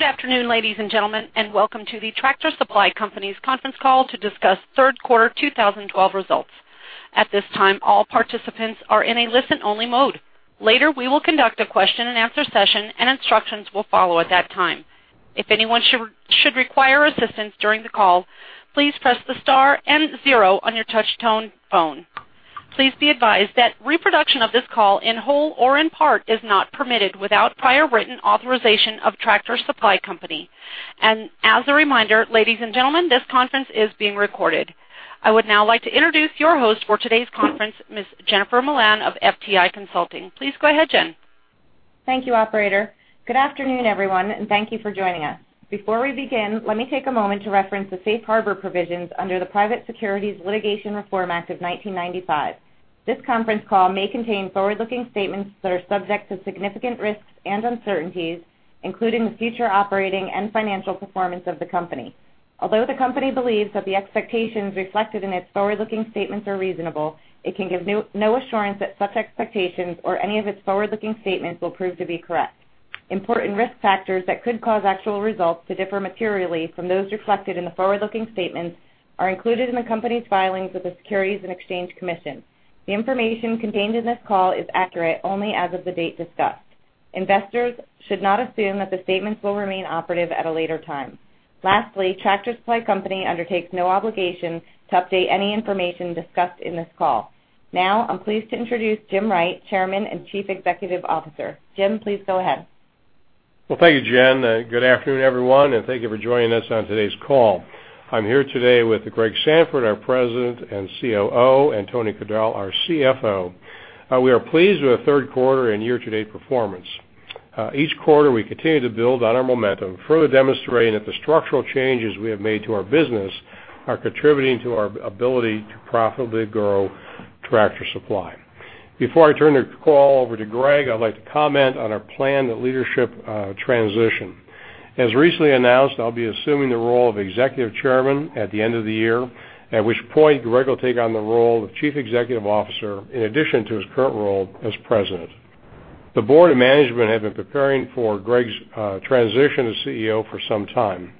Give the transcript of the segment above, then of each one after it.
Good afternoon, ladies and gentlemen, and welcome to the Tractor Supply Company's conference call to discuss third quarter 2012 results. At this time, all participants are in a listen-only mode. Later, we will conduct a question and answer session, and instructions will follow at that time. If anyone should require assistance during the call, please press the star and zero on your touch-tone phone. Please be advised that reproduction of this call in whole or in part is not permitted without prior written authorization of Tractor Supply Company. As a reminder, ladies and gentlemen, this conference is being recorded. I would now like to introduce your host for today's conference, Ms. Jennifer Milan of FTI Consulting. Please go ahead, Jen. Thank you, operator. Good afternoon, everyone, and thank you for joining us. Before we begin, let me take a moment to reference the safe harbor provisions under the Private Securities Litigation Reform Act of 1995. This conference call may contain forward-looking statements that are subject to significant risks and uncertainties, including the future operating and financial performance of the company. Although the company believes that the expectations reflected in its forward-looking statements are reasonable, it can give no assurance that such expectations or any of its forward-looking statements will prove to be correct. Important risk factors that could cause actual results to differ materially from those reflected in the forward-looking statements are included in the company's filings with the Securities and Exchange Commission. The information contained in this call is accurate only as of the date discussed. Investors should not assume that the statements will remain operative at a later time. Lastly, Tractor Supply Company undertakes no obligation to update any information discussed in this call. Now, I'm pleased to introduce Jim Wright, Chairman and Chief Executive Officer. Jim, please go ahead. Well, thank you, Jen. Good afternoon, everyone, and thank you for joining us on today's call. I'm here today with Greg Sandford, our President and COO, and Tony Crudele, our CFO. We are pleased with our third quarter and year-to-date performance. Each quarter, we continue to build on our momentum, further demonstrating that the structural changes we have made to our business are contributing to our ability to profitably grow Tractor Supply. Before I turn the call over to Greg, I'd like to comment on our planned leadership transition. As recently announced, I'll be assuming the role of Executive Chairman at the end of the year, at which point Greg will take on the role of Chief Executive Officer, in addition to his current role as President. The board and management have been preparing for Greg's transition to CEO for some time.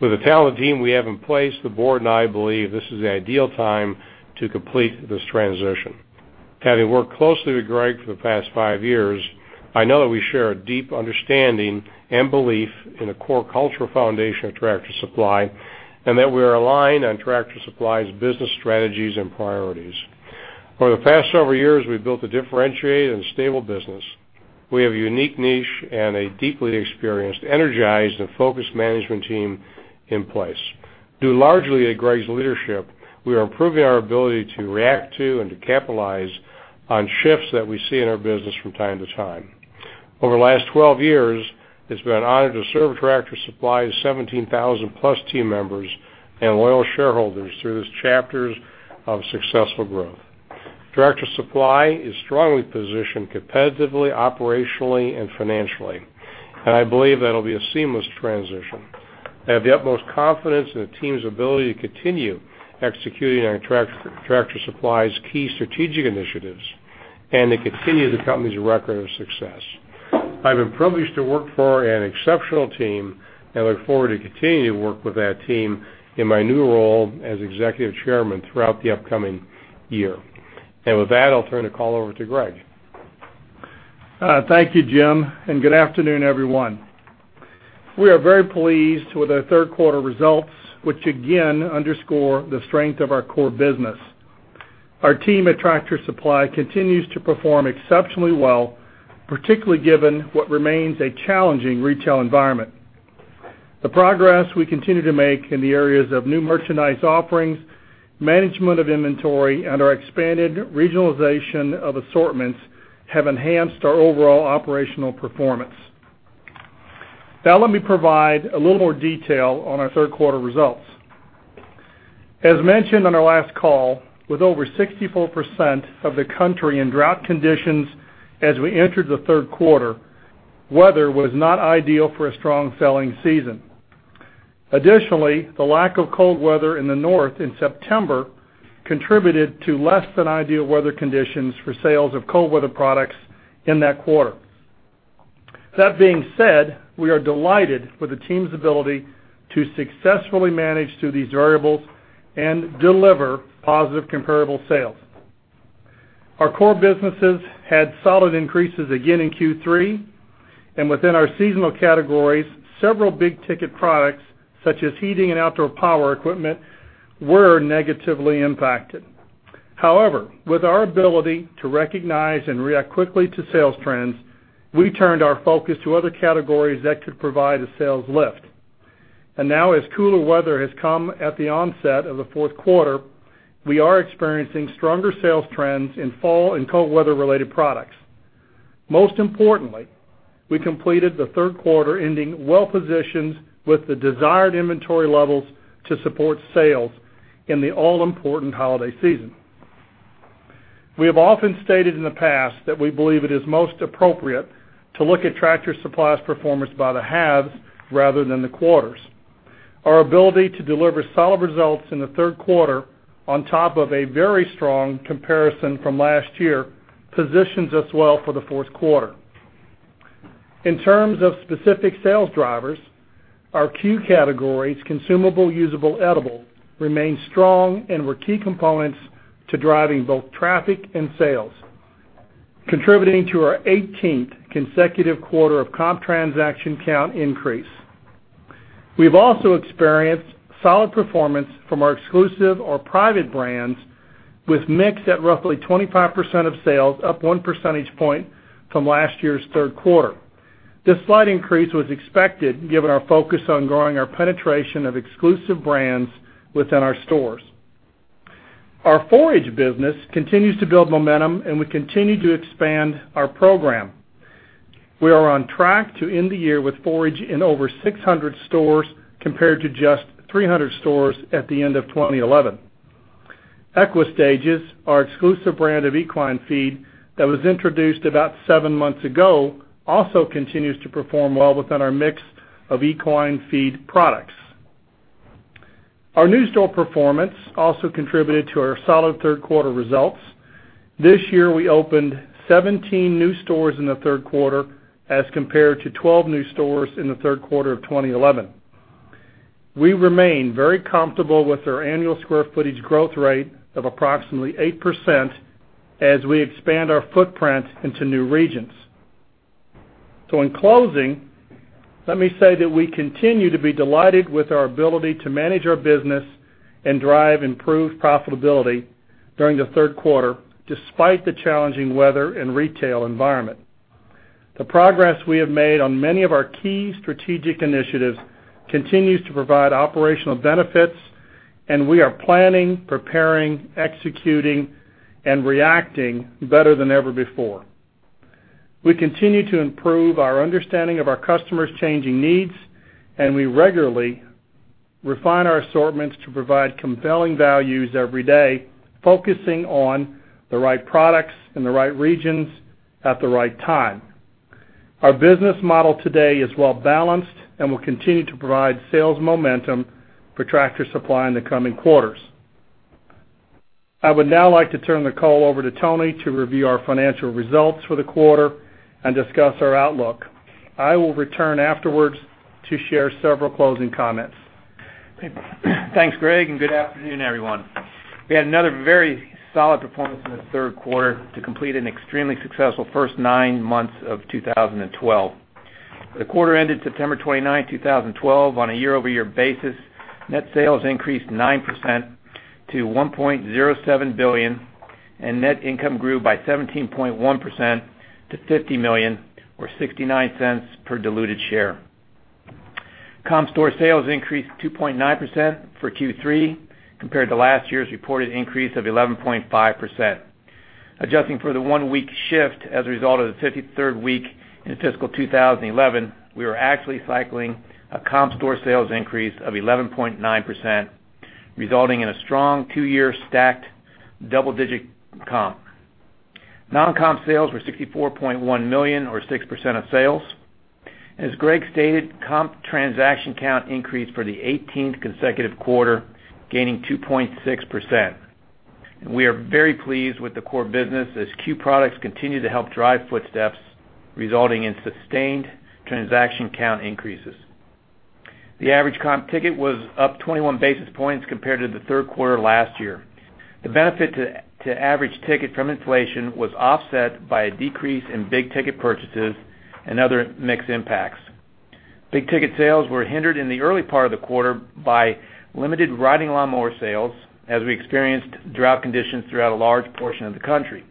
With the talented team we have in place, the board and I believe this is the ideal time to complete this transition. Having worked closely with Greg for the past five years, I know that we share a deep understanding and belief in the core cultural foundation of Tractor Supply and that we are aligned on Tractor Supply's business strategies and priorities. Over the past several years, we've built a differentiated and stable business. We have a unique niche and a deeply experienced, energized, and focused management team in place. Due largely at Greg's leadership, we are improving our ability to react to and to capitalize on shifts that we see in our business from time to time. Over the last 12 years, it's been an honor to serve Tractor Supply's 17,000-plus team members and loyal shareholders through those chapters of successful growth. Tractor Supply is strongly positioned competitively, operationally, and financially. I believe that'll be a seamless transition. I have the utmost confidence in the team's ability to continue executing on Tractor Supply's key strategic initiatives and to continue the company's record of success. I've been privileged to work for an exceptional team. I look forward to continuing to work with that team in my new role as Executive Chairman throughout the upcoming year. With that, I'll turn the call over to Greg. Thank you, Jim, and good afternoon, everyone. We are very pleased with our third quarter results, which again underscore the strength of our core business. Our team at Tractor Supply continues to perform exceptionally well, particularly given what remains a challenging retail environment. The progress we continue to make in the areas of new merchandise offerings, management of inventory, and our expanded regionalization of assortments have enhanced our overall operational performance. Now, let me provide a little more detail on our third quarter results. As mentioned on our last call, with over 64% of the country in drought conditions as we entered the third quarter, weather was not ideal for a strong selling season. Additionally, the lack of cold weather in the north in September contributed to less than ideal weather conditions for sales of cold weather products in that quarter. That being said, we are delighted with the team's ability to successfully manage through these variables and deliver positive comparable sales. Our core businesses had solid increases again in Q3, and within our seasonal categories, several big-ticket products, such as heating and outdoor power equipment, were negatively impacted. However, with our ability to recognize and react quickly to sales trends, we turned our focus to other categories that could provide a sales lift. Now, as cooler weather has come at the onset of the fourth quarter, we are experiencing stronger sales trends in fall and cold weather-related products. Most importantly, we completed the third quarter ending well-positioned with the desired inventory levels to support sales in the all-important holiday season. We have often stated in the past that we believe it is most appropriate to look at Tractor Supply's performance by the halves rather than the quarters. Our ability to deliver solid results in the third quarter on top of a very strong comparison from last year, positions us well for the fourth quarter. In terms of specific sales drivers, our CUE categories, consumable, usable, edible, remain strong and were key components to driving both traffic and sales, contributing to our 18th consecutive quarter of comp transaction count increase. We've also experienced solid performance from our exclusive or private brands with mix at roughly 25% of sales, up one percentage point from last year's third quarter. This slight increase was expected, given our focus on growing our penetration of exclusive brands within our stores. Our Forage business continues to build momentum, and we continue to expand our program. We are on track to end the year with Forage in over 600 stores compared to just 300 stores at the end of 2011. Equi-Stages, our exclusive brand of equine feed that was introduced about seven months ago, also continues to perform well within our mix of equine feed products. Our new store performance also contributed to our solid third-quarter results. This year, we opened 17 new stores in the third quarter as compared to 12 new stores in the third quarter of 2011. We remain very comfortable with our annual square footage growth rate of approximately 8% as we expand our footprint into new regions. In closing, let me say that we continue to be delighted with our ability to manage our business and drive improved profitability during the third quarter, despite the challenging weather and retail environment. The progress we have made on many of our key strategic initiatives continues to provide operational benefits, and we are planning, preparing, executing, and reacting better than ever before. We continue to improve our understanding of our customers' changing needs, and we regularly refine our assortments to provide compelling values every day, focusing on the right products in the right regions at the right time. Our business model today is well-balanced and will continue to provide sales momentum for Tractor Supply in the coming quarters. I would now like to turn the call over to Tony to review our financial results for the quarter and discuss our outlook. I will return afterwards to share several closing comments. Thanks, Greg, good afternoon, everyone. We had another very solid performance in the third quarter to complete an extremely successful first nine months of 2012. The quarter ended September 29, 2012. On a year-over-year basis, net sales increased 9% to $1.07 billion, Net income grew by 17.1% to $50 million or $0.69 per diluted share. Comp store sales increased 2.9% for Q3 compared to last year's reported increase of 11.5%. Adjusting for the one-week shift as a result of the 53rd week in fiscal 2011, we were actually cycling a comp store sales increase of 11.9%, resulting in a strong two-year stacked double-digit comp. Non-comp sales were $64.1 million or 6% of sales. As Greg stated, comp transaction count increased for the 18th consecutive quarter, gaining 2.6%. We are very pleased with the core business as CUE products continue to help drive footsteps, resulting in sustained transaction count increases. The average comp ticket was up 21 basis points compared to the third quarter last year. The benefit to average ticket from inflation was offset by a decrease in big-ticket purchases and other mix impacts. Big-ticket sales were hindered in the early part of the quarter by limited riding lawnmower sales as we experienced drought conditions throughout a large portion of the country.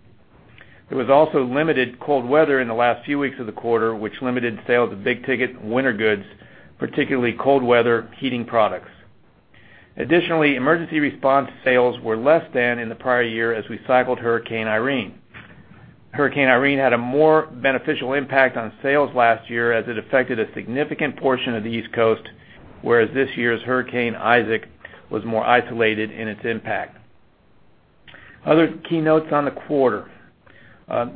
There was also limited cold weather in the last few weeks of the quarter, which limited sales of big-ticket winter goods, particularly cold weather heating products. Additionally, emergency response sales were less than in the prior year as we cycled Hurricane Irene. Hurricane Irene had a more beneficial impact on sales last year as it affected a significant portion of the East Coast, whereas this year's Hurricane Isaac was more isolated in its impact. Other key notes on the quarter.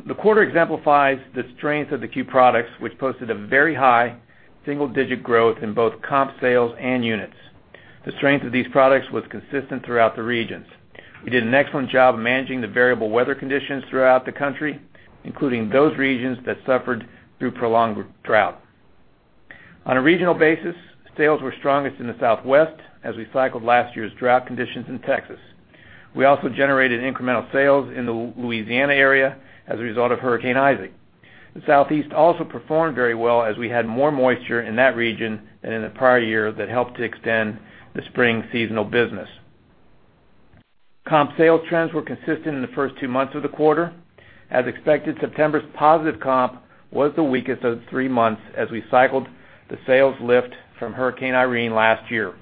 The quarter exemplifies the strength of the CUE products, which posted a very high single-digit growth in both comp sales and units. The strength of these products was consistent throughout the regions. We did an excellent job of managing the variable weather conditions throughout the country, including those regions that suffered through prolonged drought. On a regional basis, sales were strongest in the Southwest as we cycled last year's drought conditions in Texas. We also generated incremental sales in the Louisiana area as a result of Hurricane Isaac. The Southeast also performed very well as we had more moisture in that region than in the prior year that helped to extend the spring seasonal business. Comp sales trends were consistent in the first two months of the quarter. As expected, September's positive comp was the weakest of the three months as we cycled the sales lift from Hurricane Irene last year.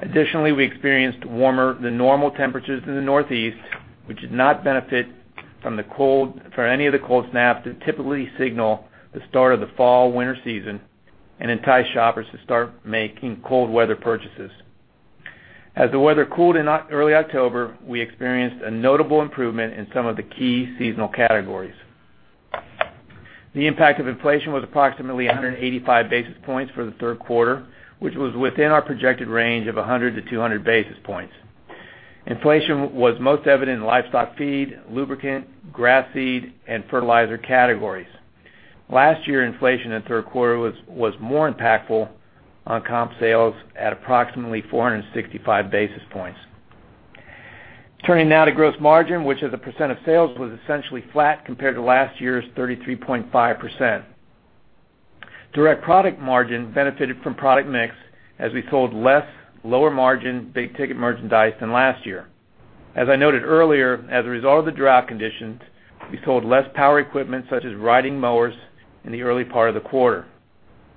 Additionally, we experienced warmer-than-normal temperatures in the Northeast, which did not benefit from any of the cold snaps that typically signal the start of the fall-winter season and entice shoppers to start making cold weather purchases. As the weather cooled in early October, we experienced a notable improvement in some of the key seasonal categories. The impact of inflation was approximately 185 basis points for the third quarter, which was within our projected range of 100 to 200 basis points. Inflation was most evident in livestock feed, lubricant, grass seed, and fertilizer categories. Last year, inflation in the third quarter was more impactful on comp sales at approximately 465 basis points. Turning now to gross margin, which as a percent of sales was essentially flat compared to last year's 33.5%. Direct product margin benefited from product mix as we sold less lower-margin, big-ticket merchandise than last year. As I noted earlier, as a result of the drought conditions, we sold less power equipment, such as riding mowers, in the early part of the quarter.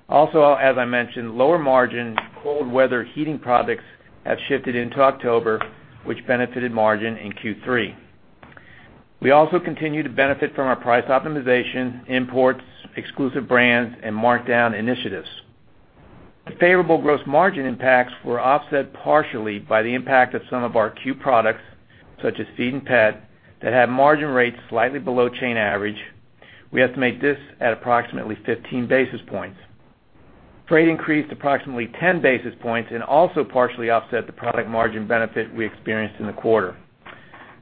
Also, as I mentioned, lower-margin, cold weather heating products have shifted into October, which benefited margin in Q3. We also continue to benefit from our price optimization, imports, exclusive brands, and markdown initiatives. The favorable gross margin impacts were offset partially by the impact of some of our CUE products, such as seed and pet, that had margin rates slightly below chain average. We estimate this at approximately 15 basis points. Freight increased approximately 10 basis points and also partially offset the product margin benefit we experienced in the quarter.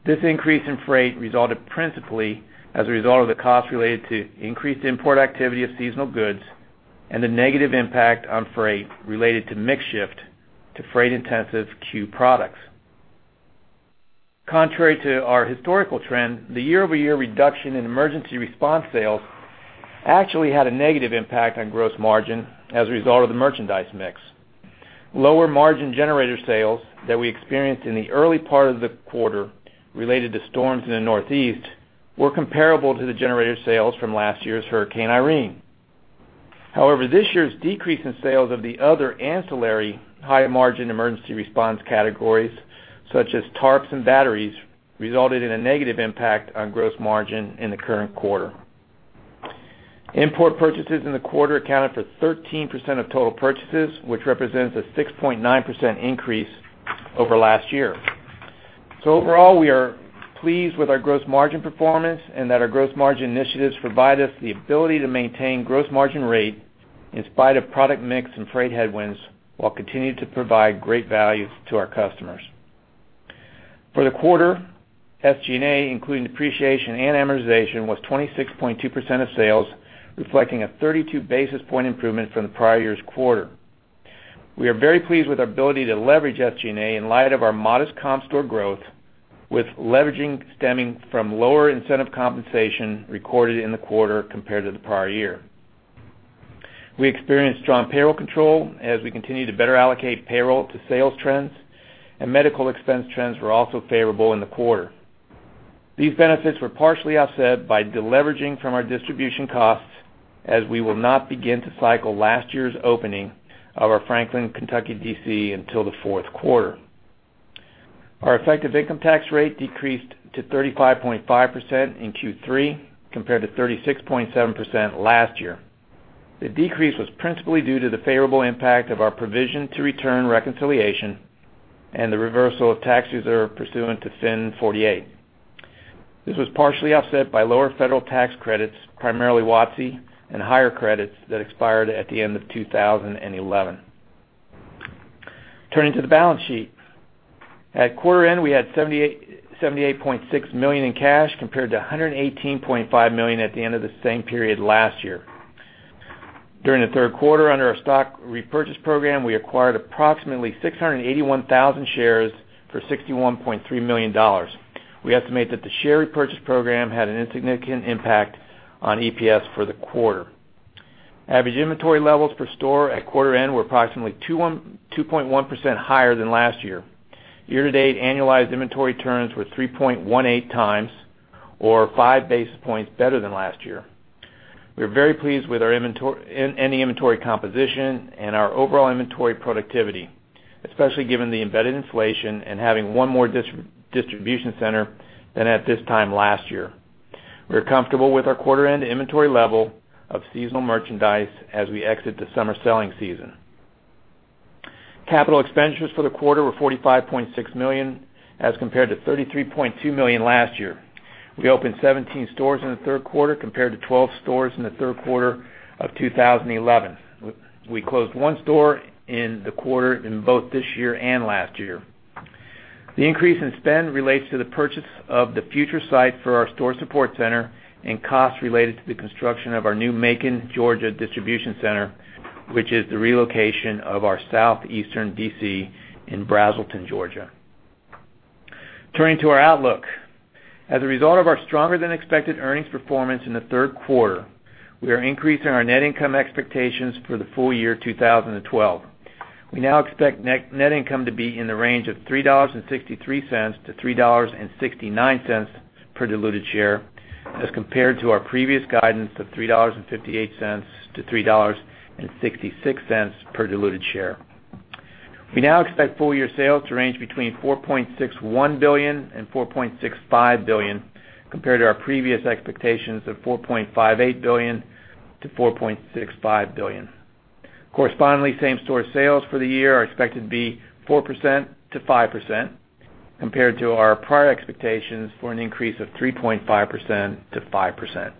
This increase in freight resulted principally as a result of the cost related to increased import activity of seasonal goods and the negative impact on freight related to mix shift to freight-intensive CUE products. Contrary to our historical trend, the year-over-year reduction in emergency response sales actually had a negative impact on gross margin as a result of the merchandise mix. Lower-margin generator sales that we experienced in the early part of the quarter related to storms in the Northeast were comparable to the generator sales from last year's Hurricane Irene. However, this year's decrease in sales of the other ancillary high-margin emergency response categories, such as tarps and batteries, resulted in a negative impact on gross margin in the current quarter. Import purchases in the quarter accounted for 13% of total purchases, which represents a 6.9% increase over last year. Overall, we are pleased with our gross margin performance and that our gross margin initiatives provide us the ability to maintain gross margin rate in spite of product mix and freight headwinds, while continuing to provide great value to our customers. For the quarter, SG&A, including depreciation and amortization, was 26.2% of sales, reflecting a 32 basis point improvement from the prior year's quarter. We are very pleased with our ability to leverage SG&A in light of our modest comp store growth, with leveraging stemming from lower incentive compensation recorded in the quarter compared to the prior year. We experienced strong payroll control as we continue to better allocate payroll to sales trends, and medical expense trends were also favorable in the quarter. These benefits were partially offset by deleveraging from our distribution costs, as we will not begin to cycle last year's opening of our Franklin, Kentucky DC until the fourth quarter. Our effective income tax rate decreased to 35.5% in Q3 compared to 36.7% last year. The decrease was principally due to the favorable impact of our provision to return reconciliation and the reversal of tax reserve pursuant to FIN 48. This was partially offset by lower federal tax credits, primarily WOTC, and higher credits that expired at the end of 2011. Turning to the balance sheet. At quarter end, we had $78.6 million in cash, compared to $118.5 million at the end of the same period last year. During the third quarter, under our stock repurchase program, we acquired approximately 681,000 shares for $61.3 million. We estimate that the share repurchase program had an insignificant impact on EPS for the quarter. Average inventory levels per store at quarter end were approximately 2.1% higher than last year. Year-to-date annualized inventory turns were 3.18 times or five basis points better than last year. We are very pleased with any inventory composition and our overall inventory productivity, especially given the embedded inflation and having one more distribution center than at this time last year. We are comfortable with our quarter-end inventory level of seasonal merchandise as we exit the summer selling season. Capital expenditures for the quarter were $45.6 million as compared to $33.2 million last year. We opened 17 stores in the third quarter compared to 12 stores in the third quarter of 2011. We closed one store in the quarter in both this year and last year. The increase in spend relates to the purchase of the future site for our store support center and costs related to the construction of our new Macon, Georgia, distribution center, which is the relocation of our southeastern DC in Braselton, Georgia. Turning to our outlook. As a result of our stronger-than-expected earnings performance in the third quarter, we are increasing our net income expectations for the full year 2012. We now expect net income to be in the range of $3.63-$3.69 per diluted share as compared to our previous guidance of $3.58-$3.66 per diluted share. We now expect full year sales to range between $4.61 billion and $4.65 billion, compared to our previous expectations of $4.58 billion-$4.65 billion. Correspondingly, same-store sales for the year are expected to be 4%-5%, compared to our prior expectations for an increase of 3.5%-5%.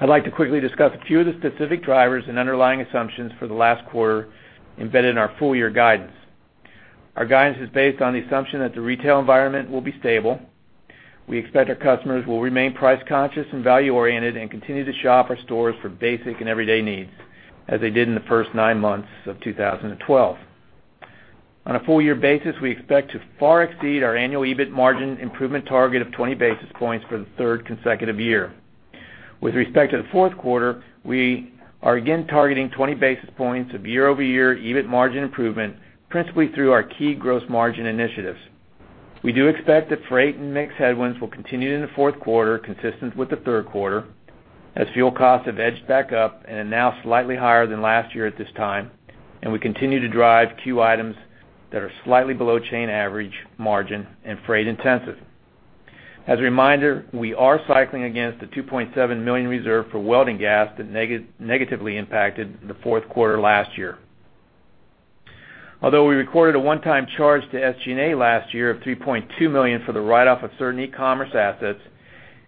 I'd like to quickly discuss a few of the specific drivers and underlying assumptions for the last quarter embedded in our full-year guidance. Our guidance is based on the assumption that the retail environment will be stable. We expect our customers will remain price-conscious and value-oriented and continue to shop our stores for basic and everyday needs as they did in the first nine months of 2012. On a full-year basis, we expect to far exceed our annual EBIT margin improvement target of 20 basis points for the third consecutive year. With respect to the fourth quarter, we are again targeting 20 basis points of year-over-year EBIT margin improvement, principally through our key gross margin initiatives. We do expect that freight and mix headwinds will continue in the fourth quarter, consistent with the third quarter, as fuel costs have edged back up and are now slightly higher than last year at this time. We continue to drive CUE items that are slightly below chain average margin and freight intensive. As a reminder, we are cycling against the $2.7 million reserve for welding gas that negatively impacted the fourth quarter last year. Although we recorded a one-time charge to SG&A last year of $3.2 million for the write-off of certain e-commerce assets,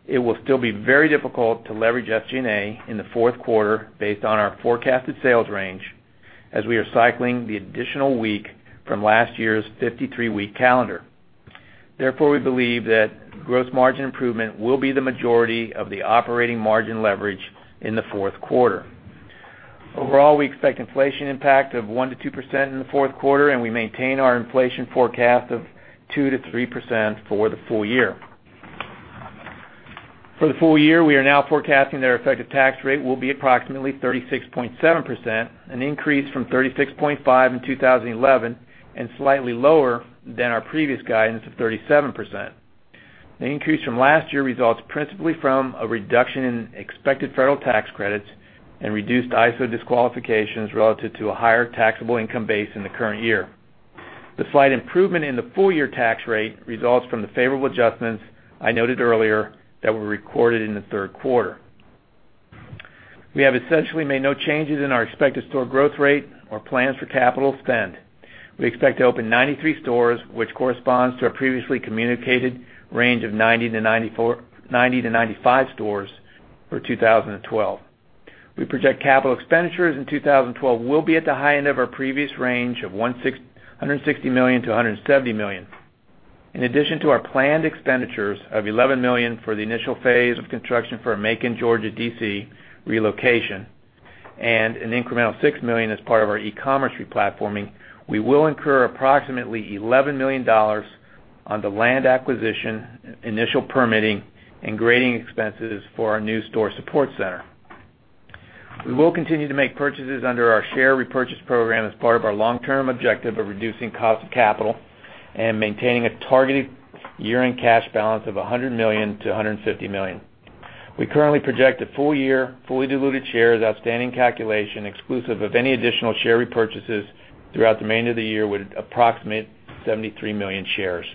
it will still be very difficult to leverage SG&A in the fourth quarter based on our forecasted sales range, as we are cycling the additional week from last year's 53-week calendar. We believe that gross margin improvement will be the majority of the operating margin leverage in the fourth quarter. Overall, we expect inflation impact of 1%-2% in the fourth quarter. We maintain our inflation forecast of 2%-3% for the full year. For the full year, we are now forecasting that our effective tax rate will be approximately 36.7%, an increase from 36.5% in 2011 and slightly lower than our previous guidance of 37%. The increase from last year results principally from a reduction in expected federal tax credits and reduced ISO disqualifications relative to a higher taxable income base in the current year. The slight improvement in the full-year tax rate results from the favorable adjustments I noted earlier that were recorded in the third quarter. We have essentially made no changes in our expected store growth rate or plans for capital spend. We expect to open 93 stores, which corresponds to our previously communicated range of 90-95 stores for 2012. We project capital expenditures in 2012 will be at the high end of our previous range of $160 million-$170 million. In addition to our planned expenditures of $11 million for the initial phase of construction for our Macon, Georgia, DC relocation and an incremental $6 million as part of our e-commerce re-platforming, we will incur approximately $11 million on the land acquisition, initial permitting, and grading expenses for our new store support center. We will continue to make purchases under our share repurchase program as part of our long-term objective of reducing cost of capital and maintaining a targeted year-end cash balance of $100 million-$150 million. We currently project a full-year, fully diluted shares outstanding calculation exclusive of any additional share repurchases throughout the remainder of the year with approximate 73 million shares.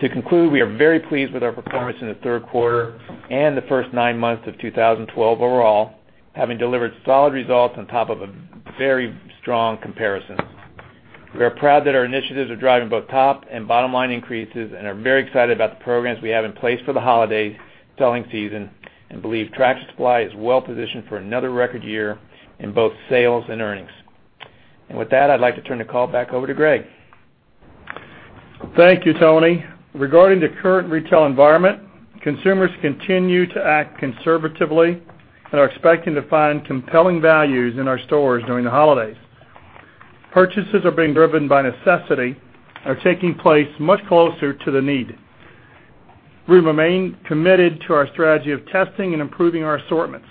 To conclude, we are very pleased with our performance in the third quarter and the first nine months of 2012 overall, having delivered solid results on top of a very strong comparison. We are proud that our initiatives are driving both top and bottom-line increases and are very excited about the programs we have in place for the holiday selling season and believe Tractor Supply is well-positioned for another record year in both sales and earnings. With that, I'd like to turn the call back over to Greg. Thank you, Tony. Regarding the current retail environment, consumers continue to act conservatively and are expecting to find compelling values in our stores during the holidays. Purchases are being driven by necessity are taking place much closer to the need. We remain committed to our strategy of testing and improving our assortments.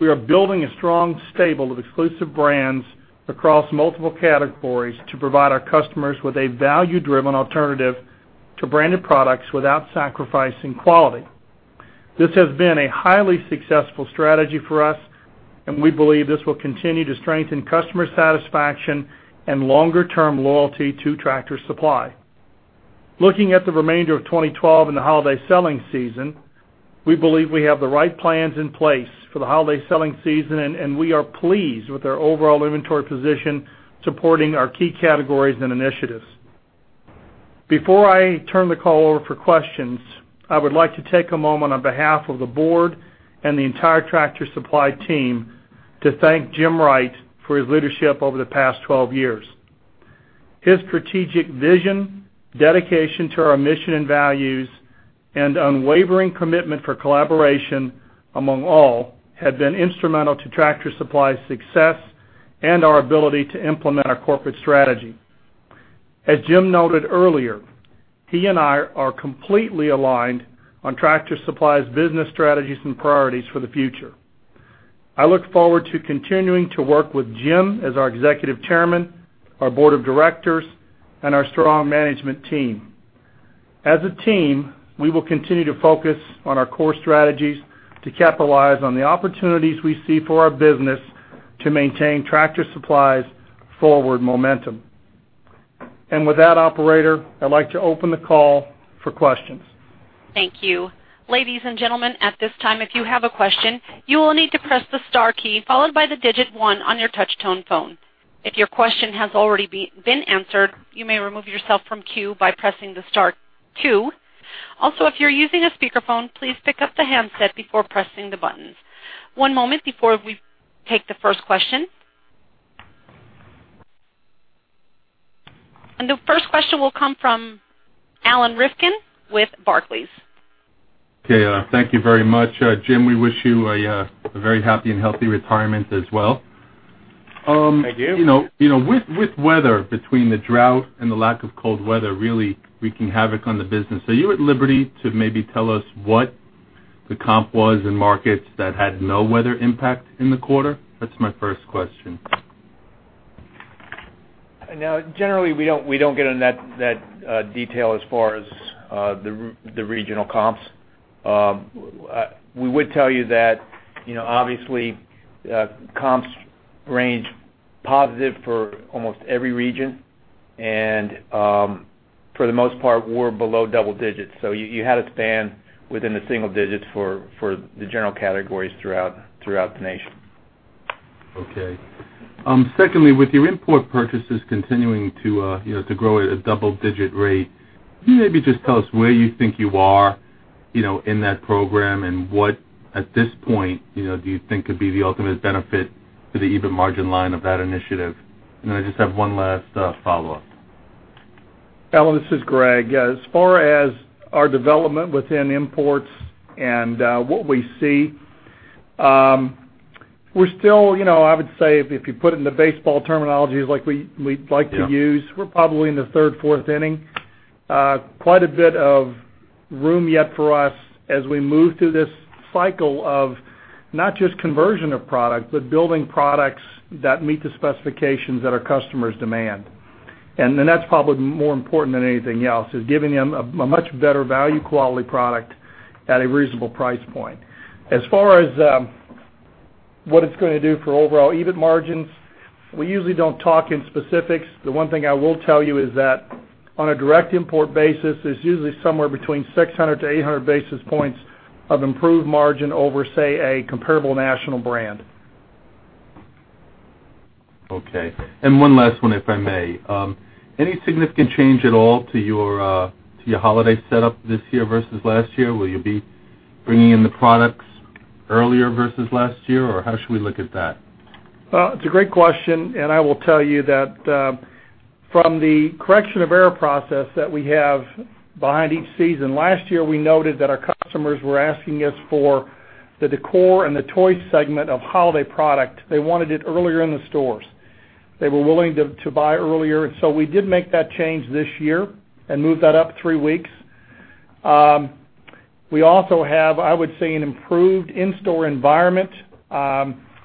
We are building a strong stable of exclusive brands across multiple categories to provide our customers with a value-driven alternative to branded products without sacrificing quality. This has been a highly successful strategy for us, and we believe this will continue to strengthen customer satisfaction and longer-term loyalty to Tractor Supply. Looking at the remainder of 2012 and the holiday selling season, we believe we have the right plans in place for the holiday selling season, and we are pleased with our overall inventory position supporting our key categories and initiatives. Before I turn the call over for questions, I would like to take a moment on behalf of the board and the entire Tractor Supply team to thank Jim Wright for his leadership over the past 12 years. His strategic vision, dedication to our mission and values, and unwavering commitment for collaboration among all have been instrumental to Tractor Supply's success and our ability to implement our corporate strategy. As Jim noted earlier, he and I are completely aligned on Tractor Supply's business strategies and priorities for the future. I look forward to continuing to work with Jim as our executive chairman, our board of directors, and our strong management team. As a team, we will continue to focus on our core strategies to capitalize on the opportunities we see for our business to maintain Tractor Supply's forward momentum. With that operator, I'd like to open the call for questions. Thank you. Ladies and gentlemen, at this time, if you have a question, you will need to press the star key followed by the digit 1 on your touch-tone phone. If your question has already been answered, you may remove yourself from queue by pressing the star 2. Also, if you're using a speakerphone, please pick up the handset before pressing the buttons. One moment before we take the first question. The first question will come from Alan Rifkin with Barclays. Okay. Thank you very much. Jim, we wish you a very happy and healthy retirement as well. Thank you. With weather, between the drought and the lack of cold weather really wreaking havoc on the business, are you at liberty to maybe tell us what the comp was in markets that had no weather impact in the quarter? That's my first question. Generally, we don't get in that detail as far as the regional comps. We would tell you that obviously, comps range positive for almost every region, and for the most part, we're below double digits. You had a span within the single digits for the general categories throughout the nation. Okay. Secondly, with your import purchases continuing to grow at a double-digit rate, can you maybe just tell us where you think you are in that program and what, at this point, do you think could be the ultimate benefit to the EBIT margin line of that initiative? Then I just have one last follow-up. Alan, this is Greg Sandfort. As far as our development within imports and what we see, we're still, I would say, if you put it into baseball terminology like we like. Yeah to use, we're probably in the third, fourth inning. Quite a bit of room yet for us as we move through this cycle of not just conversion of product, but building products that meet the specifications that our customers demand. That's probably more important than anything else, is giving them a much better value quality product at a reasonable price point. As far as what it's going to do for overall EBIT margins, we usually don't talk in specifics. The one thing I will tell you is that on a direct import basis, it's usually somewhere between 600 to 800 basis points of improved margin over, say, a comparable national brand. Okay. One last one, if I may. Any significant change at all to your holiday setup this year versus last year? Will you be bringing in the products earlier versus last year, or how should we look at that? Well, it's a great question. I will tell you that from the correction of error process that we have behind each season, last year, we noted that our customers were asking us for the decor and the toy segment of holiday product. They wanted it earlier in the stores. They were willing to buy earlier. We did make that change this year and moved that up three weeks. We also have, I would say, an improved in-store environment.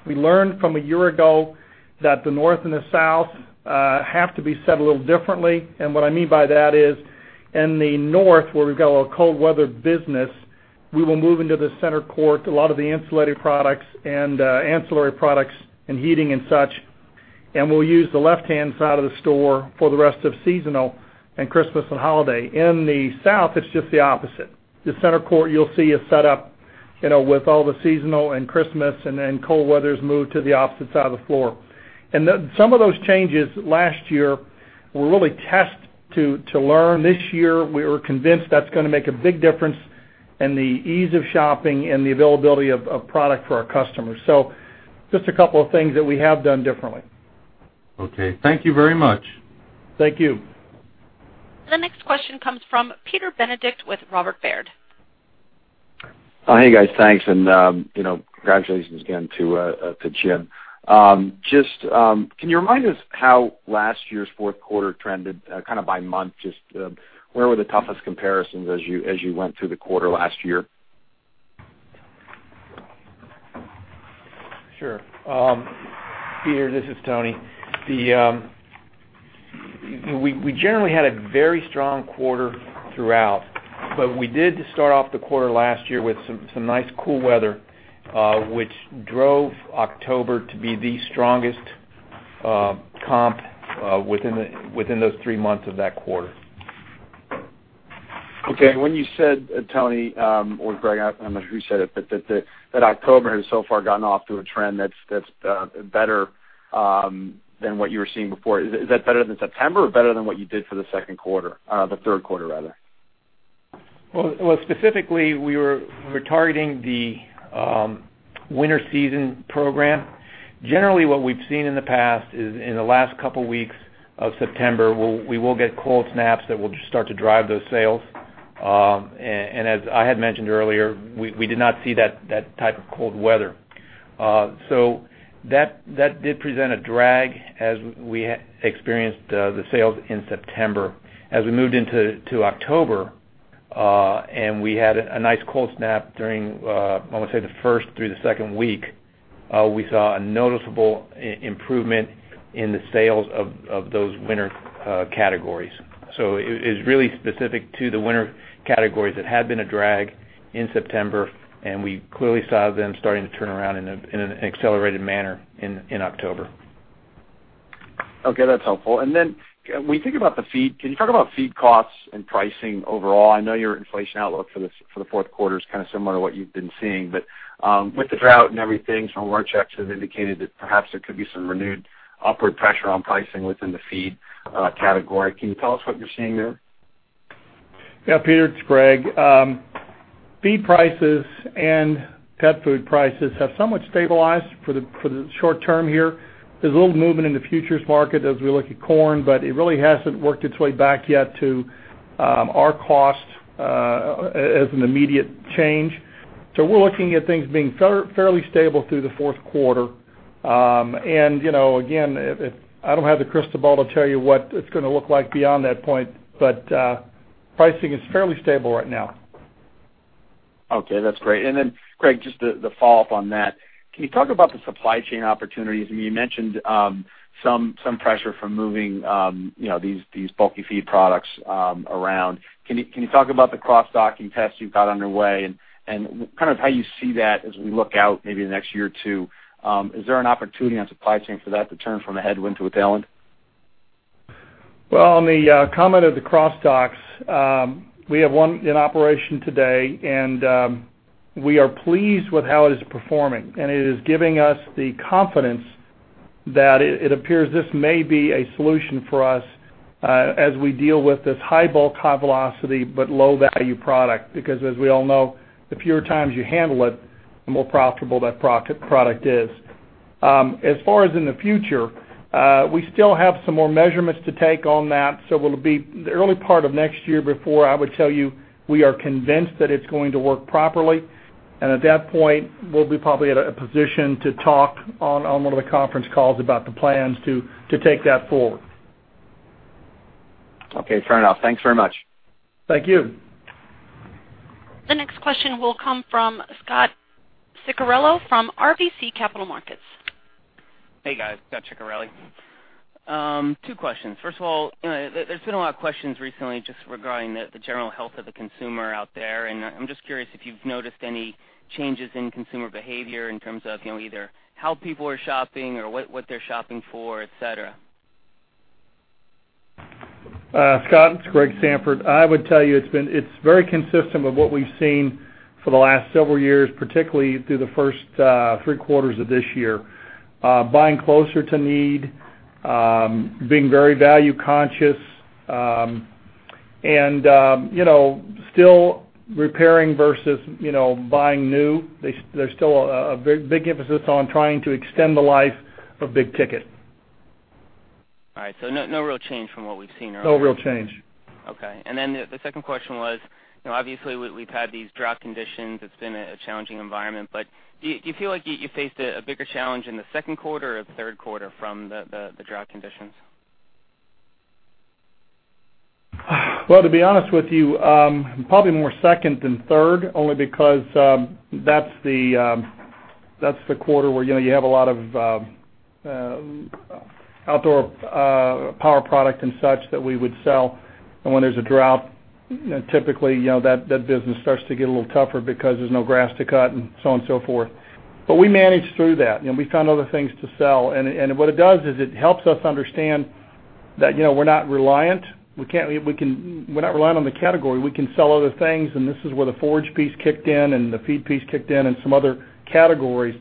We learned from a year ago that the north and the south have to be set a little differently. What I mean by that is in the north, where we've got a little cold weather business, we will move into the center court, a lot of the insulated products and ancillary products and heating and such. We'll use the left-hand side of the store for the rest of seasonal and Christmas and holiday. In the south, it's just the opposite. The center court, you'll see, is set up with all the seasonal and Christmas. Then cold weather is moved to the opposite side of the floor. Some of those changes last year were really tests to learn. This year, we were convinced that's going to make a big difference in the ease of shopping and the availability of product for our customers. just a couple of things that we have done differently. Okay. Thank you very much. Thank you. The next question comes from Peter Benedict with Robert W. Baird. Oh, hey, guys, thanks, and congratulations again to Jim. Can you remind us how last year's fourth quarter trended, kind of by month? Just where were the toughest comparisons as you went through the quarter last year? Sure. Peter, this is Tony. We generally had a very strong quarter throughout, but we did start off the quarter last year with some nice cool weather, which drove October to be the strongest comp within those three months of that quarter. Okay, when you said, Tony, or Greg, I don't know who said it, but that October has so far gotten off to a trend that's better than what you were seeing before, is that better than September or better than what you did for the second quarter, the third quarter, rather? Well, specifically, we were targeting the winter season program. Generally, what we've seen in the past is in the last couple weeks of September, we will get cold snaps that will just start to drive those sales. As I had mentioned earlier, we did not see that type of cold weather. That did present a drag as we experienced the sales in September. As we moved into October, and we had a nice cold snap during, I would say, the first through the second week, we saw a noticeable improvement in the sales of those winter categories. It is really specific to the winter categories that had been a drag in September, and we clearly saw them starting to turn around in an accelerated manner in October. Okay, that's helpful. When you think about the feed, can you talk about feed costs and pricing overall? I know your inflation outlook for the fourth quarter is kind of similar to what you've been seeing, but with the drought and everything, some word checks have indicated that perhaps there could be some renewed upward pressure on pricing within the feed category. Can you tell us what you're seeing there? Yeah, Peter, it's Greg. Feed prices and pet food prices have somewhat stabilized for the short term here. There's a little movement in the futures market as we look at corn, but it really hasn't worked its way back yet to our cost as an immediate change. We're looking at things being fairly stable through the fourth quarter. Again, I don't have the crystal ball to tell you what it's going to look like beyond that point, but pricing is fairly stable right now. Okay, that's great. Greg, just to follow up on that, can you talk about the supply chain opportunities? You mentioned some pressure from moving these bulky feed products around. Can you talk about the cross-docking tests you've got underway and how you see that as we look out maybe in the next year or two? Is there an opportunity on supply chain for that to turn from a headwind to a tailwind? On the comment of the cross docks, we have one in operation today, and we are pleased with how it is performing. It is giving us the confidence that it appears this may be a solution for us as we deal with this high bulk, high velocity, but low-value product. As we all know, the fewer times you handle it, the more profitable that product is. As far as in the future, we still have some more measurements to take on that, so it'll be the early part of next year before I would tell you we are convinced that it's going to work properly. At that point, we'll be probably at a position to talk on one of the conference calls about the plans to take that forward. Fair enough. Thanks very much. Thank you. The next question will come from Scot Ciccarelli from RBC Capital Markets. Hey, guys. Scot Ciccarelli. Two questions. First of all, there's been a lot of questions recently just regarding the general health of the consumer out there, and I'm just curious if you've noticed any changes in consumer behavior in terms of either how people are shopping or what they're shopping for, et cetera. Scot, it's Greg Sandfort. I would tell you it's very consistent with what we've seen for the last several years, particularly through the first three quarters of this year. Buying closer to need, being very value-conscious, and still repairing versus buying new. There's still a big emphasis on trying to extend the life of big ticket. All right, no real change from what we've seen earlier. No real change. Okay. The second question was, obviously we've had these drought conditions. It's been a challenging environment. Do you feel like you faced a bigger challenge in the second quarter or third quarter from the drought conditions? Well, to be honest with you, probably more second than third, only because that's the quarter where you have a lot of outdoor power product and such that we would sell. When there's a drought, typically that business starts to get a little tougher because there's no grass to cut and so on and so forth. We managed through that, we found other things to sell. What it does is it helps us understand that we're not reliant on the category. We can sell other things, and this is where the forage piece kicked in and the feed piece kicked in, and some other categories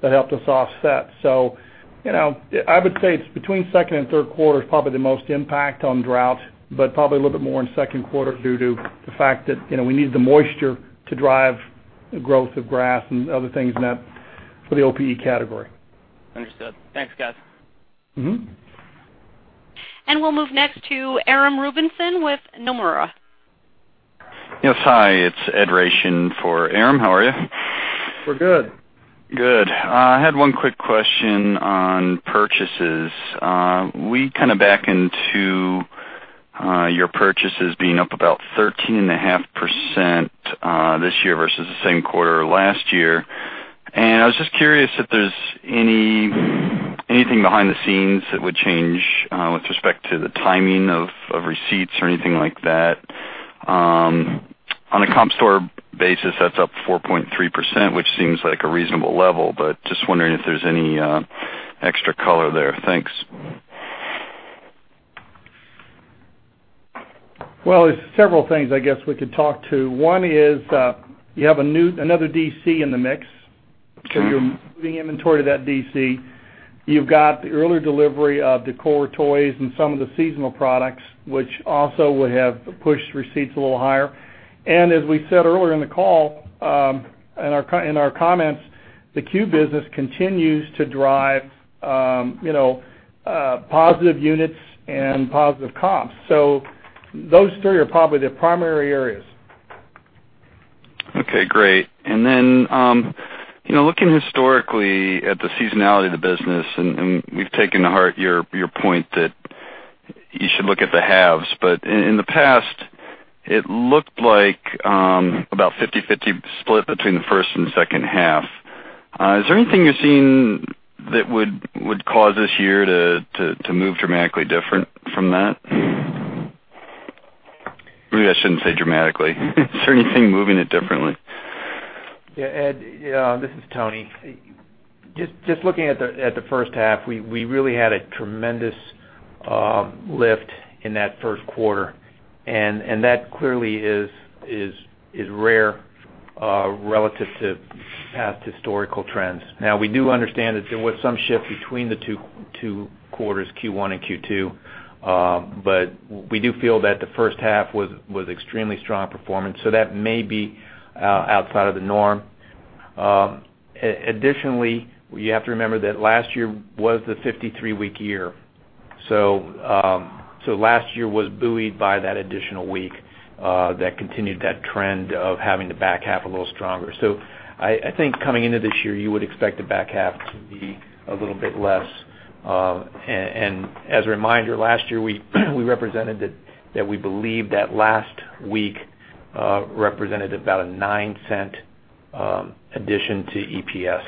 that helped us offset. I would say it's between second and third quarters, probably the most impact on drought, but probably a little bit more in the second quarter due to the fact that we need the moisture to drive the growth of grass and other things in that for the OPE category. Understood. Thanks, guys. We'll move next to Aram Rubinson with Nomura. Yes, hi. It's Ed Raishin for Aram. How are you? We're good. Good. I had one quick question on purchases. We kind of back into your purchases being up about 13.5% this year versus the same quarter last year. I was just curious if there's anything behind the scenes that would change with respect to the timing of receipts or anything like that. On a comp store basis, that's up 4.3%, which seems like a reasonable level, but just wondering if there's any extra color there. Thanks. Well, there's several things I guess we could talk to. One is, you have another DC in the mix, so you're moving inventory to that DC. You've got the earlier delivery of decor toys and some of the seasonal products, which also would have pushed receipts a little higher. As we said earlier in the call, in our comments, The CUE business continues to drive positive units and positive comps. Those three are probably the primary areas. Okay, great. Looking historically at the seasonality of the business, and we've taken to heart your point that you should look at the halves. In the past, it looked like about 50/50 split between the first and second half. Is there anything you're seeing that would cause this year to move dramatically different from that? Maybe I shouldn't say dramatically. Is there anything moving it differently? Yeah, Ed, this is Tony. Just looking at the first half, we really had a tremendous lift in that first quarter, that clearly is rare relative to past historical trends. We do understand that there was some shift between the two quarters, Q1 and Q2, we do feel that the first half was extremely strong performance. That may be outside of the norm. Additionally, you have to remember that last year was the 53-week year. Last year was buoyed by that additional week that continued that trend of having the back half a little stronger. I think coming into this year, you would expect the back half to be a little bit less. As a reminder, last year we represented that we believe that last week represented about a $0.09 addition to EPS.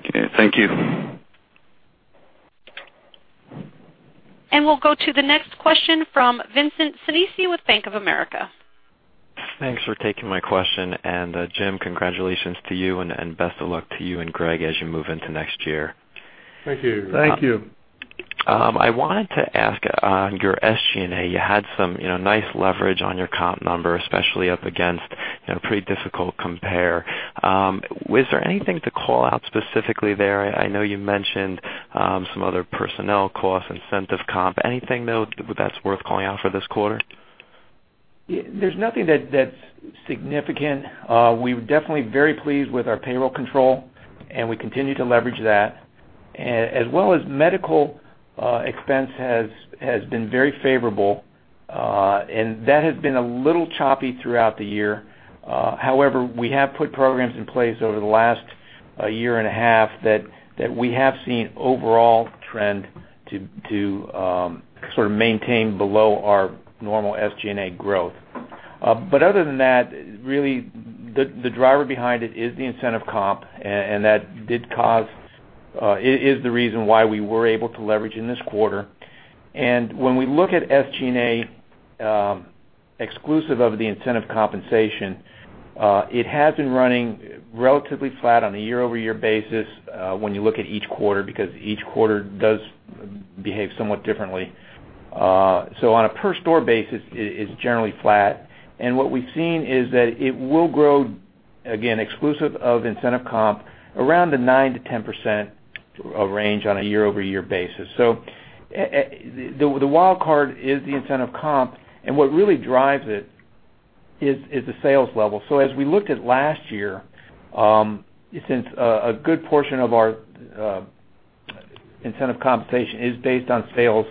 Okay. Thank you. We'll go to the next question from Vincent Sinisi with Bank of America. Thanks for taking my question. Jim, congratulations to you, and best of luck to you and Greg as you move into next year. Thank you. Thank you. I wanted to ask on your SG&A, you had some nice leverage on your comp number, especially up against pretty difficult compare. Was there anything to call out specifically there? I know you mentioned some other personnel costs, incentive comp. Anything though that's worth calling out for this quarter? There's nothing that's significant. We were definitely very pleased with our payroll control, and we continue to leverage that. Medical expense has been very favorable. That has been a little choppy throughout the year. However, we have put programs in place over the last year and a half that we have seen overall trend to sort of maintain below our normal SG&A growth. Other than that, really, the driver behind it is the incentive comp. That is the reason why we were able to leverage in this quarter. When we look at SG&A exclusive of the incentive compensation, it has been running relatively flat on a year-over-year basis when you look at each quarter, because each quarter does behave somewhat differently. On a per store basis, it's generally flat. What we've seen is that it will grow, again, exclusive of incentive comp around the 9%-10% range on a year-over-year basis. The wild card is the incentive comp and what really drives it is the sales level. As we looked at last year, since a good portion of our incentive compensation is based on sales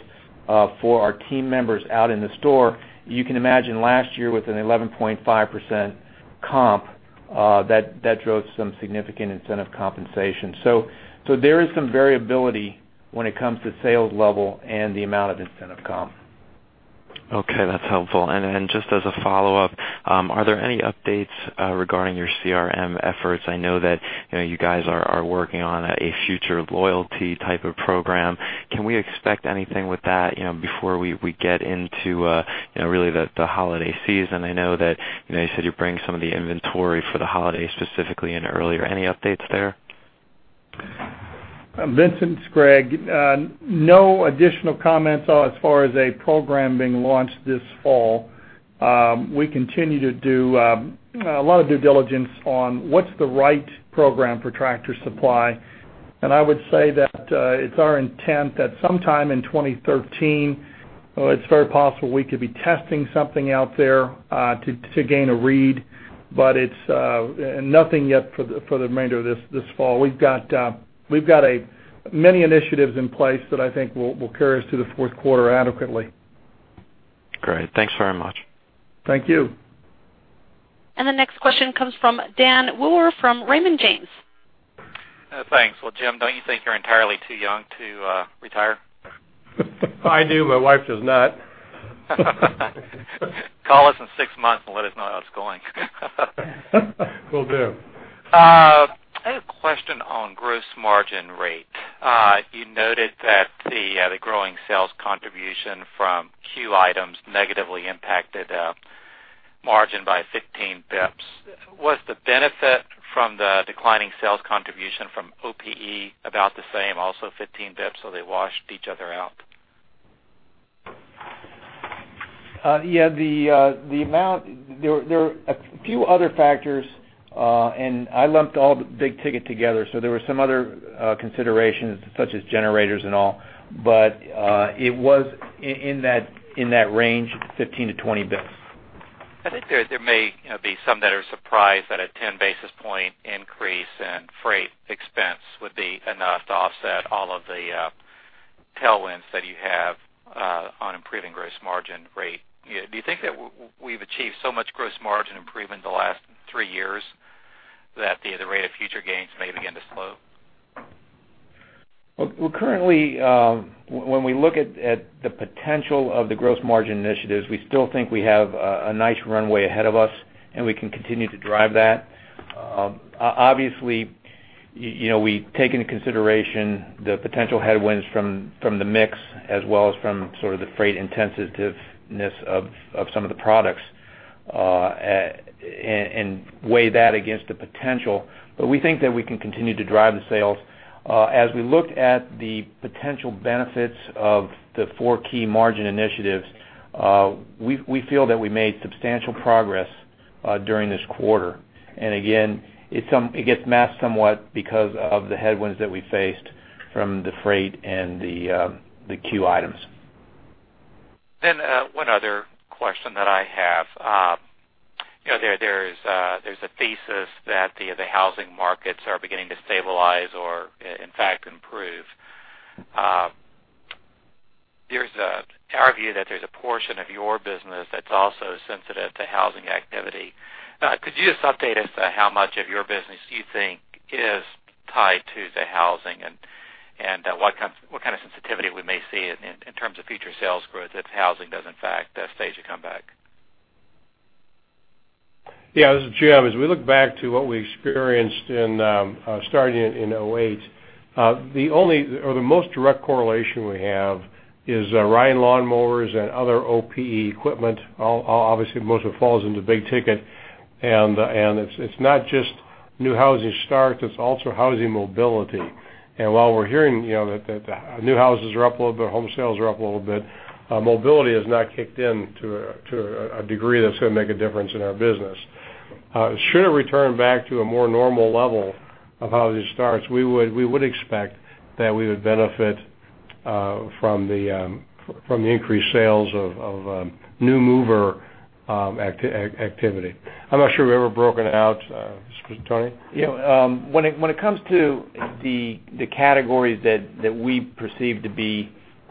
for our team members out in the store, you can imagine last year with an 11.5% comp, that drove some significant incentive compensation. There is some variability when it comes to sales level and the amount of incentive comp. Okay. That's helpful. Just as a follow-up, are there any updates regarding your CRM efforts? I know that you guys are working on a future loyalty type of program. Can we expect anything with that before we get into really the holiday season? I know that you said you're bringing some of the inventory for the holiday specifically in earlier. Any updates there? Vincent, it's Greg. No additional comments as far as a program being launched this fall. We continue to do a lot of due diligence on what's the right program for Tractor Supply. I would say that it's our intent that sometime in 2013, it's very possible we could be testing something out there to gain a read. It's nothing yet for the remainder of this fall. We've got many initiatives in place that I think will carry us through the fourth quarter adequately. Great. Thanks very much. Thank you. The next question comes from Dan Wewer from Raymond James. Thanks. Well, Jim, don't you think you're entirely too young to retire? I do. My wife does not. Call us in six months and let us know how it's going. Will do. I have a question on gross margin rate. You noted that the growing sales contribution from CUE items negatively impacted margin by 15 basis points. Was the benefit from the declining sales contribution from OPE about the same, also 15 basis points, so they washed each other out? Yeah. There are a few other factors. I lumped all the big ticket together, so there were some other considerations such as generators and all. It was in that range, 15-20 basis points. I think there may be some that are surprised that a ten basis point increase in freight expense would be enough to offset all of the tailwinds that you have on improving gross margin rate. Do you think that we've achieved so much gross margin improvement in the last three years that the rate of future gains may begin to slow? Currently, when we look at the potential of the gross margin initiatives, we still think we have a nice runway ahead of us, and we can continue to drive that. Obviously, we take into consideration the potential headwinds from the mix, as well as from the freight intensiveness of some of the products, and weigh that against the potential. We think that we can continue to drive the sales. As we looked at the potential benefits of the 4 key margin initiatives, we feel that we made substantial progress during this quarter. Again, it gets masked somewhat because of the headwinds that we faced from the freight and the CUE items. One other question that I have. There's a thesis that the housing markets are beginning to stabilize or, in fact, improve. There's an argument that there's a portion of your business that's also sensitive to housing activity. Could you just update us to how much of your business you think is tied to the housing? What kind of sensitivity we may see in terms of future sales growth if housing does, in fact, stage a comeback? This is Jim. As we look back to what we experienced starting in 2008, the most direct correlation we have is riding lawnmowers and other OPE equipment. Obviously, most of it falls into big ticket. It's not just new housing starts, it's also housing mobility. While we're hearing that new houses are up a little bit, home sales are up a little bit, mobility has not kicked in to a degree that's going to make a difference in our business. Should it return back to a more normal level of how it starts, we would expect that we would benefit from the increased sales of new mover activity. I'm not sure we've ever broken out, Tony? When it comes to the categories that we perceive to be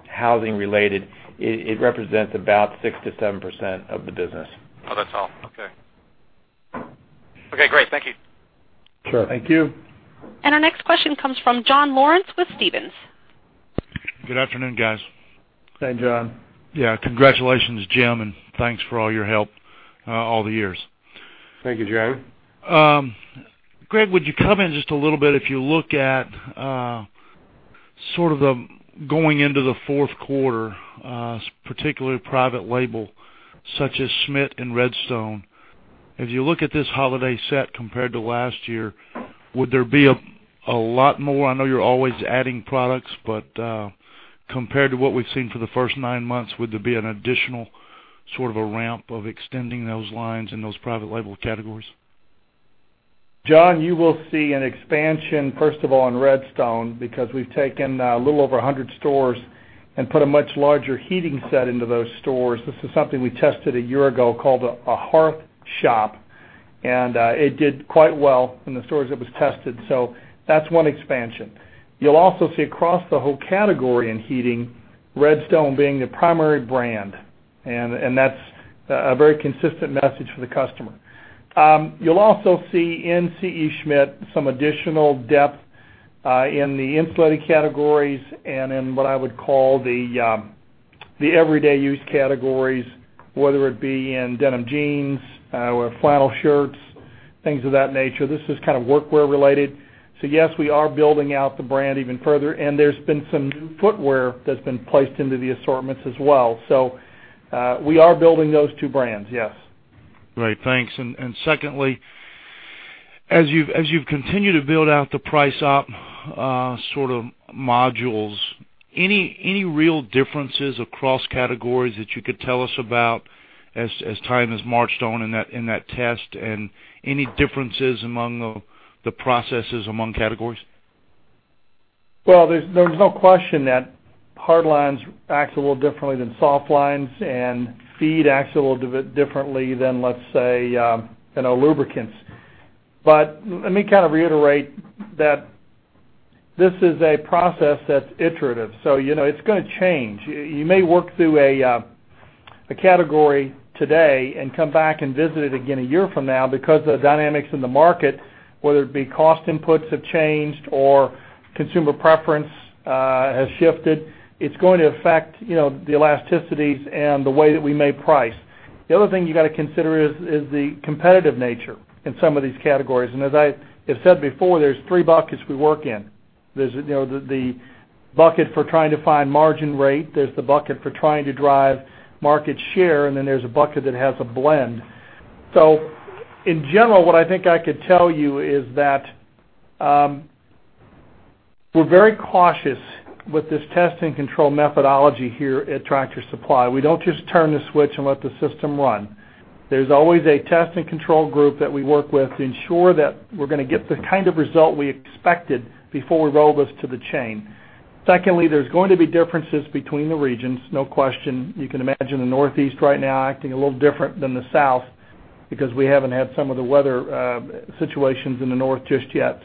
housing-related, it represents about 6%-7% of the business. Oh, that's all. Okay. Okay, great. Thank you. Sure. Thank you. Our next question comes from John Lawrence with Stephens. Good afternoon, guys. Hey, John. Yeah. Congratulations, Jim, and thanks for all your help all the years. Thank you, John. Greg, would you come in just a little bit, if you look at sort of going into the fourth quarter, particularly private label such as Schmidt and Redstone. If you look at this holiday set compared to last year, would there be a lot more? I know you're always adding products, but compared to what we've seen for the first nine months, would there be an additional sort of a ramp of extending those lines in those private label categories? John, you will see an expansion, first of all, on Redstone, because we've taken a little over 100 stores and put a much larger heating set into those stores. This is something we tested a year ago called a hearth shop, and it did quite well in the stores it was tested. That's one expansion. You'll also see across the whole category in heating, Redstone being the primary brand, and that's a very consistent message for the customer. You'll also see in C.E. Schmidt some additional depth in the insulating categories and in what I would call the everyday use categories, whether it be in denim jeans or flannel shirts, things of that nature. This is kind of workwear-related. Yes, we are building out the brand even further, and there's been some new footwear that's been placed into the assortments as well. We are building those two brands, yes. Great, thanks. Secondly, as you've continued to build out the price op sort of modules, any real differences across categories that you could tell us about as time has marched on in that test, and any differences among the processes among categories? Well, there's no question that hard lines acts a little differently than soft lines, and feed acts a little bit differently than, let's say, lubricants. Let me kind of reiterate that this is a process that's iterative. It's going to change. You may work through a category today and come back and visit it again a year from now because the dynamics in the market, whether it be cost inputs have changed or consumer preference has shifted, it's going to affect the elasticities and the way that we may price. The other thing you got to consider is the competitive nature in some of these categories. As I have said before, there's three buckets we work in. There's the bucket for trying to find margin rate, there's the bucket for trying to drive market share, and then there's a bucket that has a blend. In general, what I think I could tell you is that we're very cautious with this test-and-control methodology here at Tractor Supply. We don't just turn the switch and let the system run. There's always a test-and-control group that we work with to ensure that we're going to get the kind of result we expected before we roll this to the chain. Secondly, there's going to be differences between the regions, no question. You can imagine the Northeast right now acting a little different than the South because we haven't had some of the weather situations in the North just yet.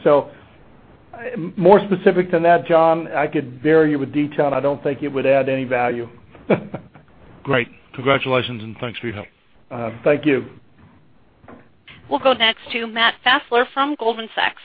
More specific than that, John, I could bury you with detail, and I don't think it would add any value. Great. Congratulations, and thanks for your help. Thank you. We'll go next to Matt Fassler from Goldman Sachs.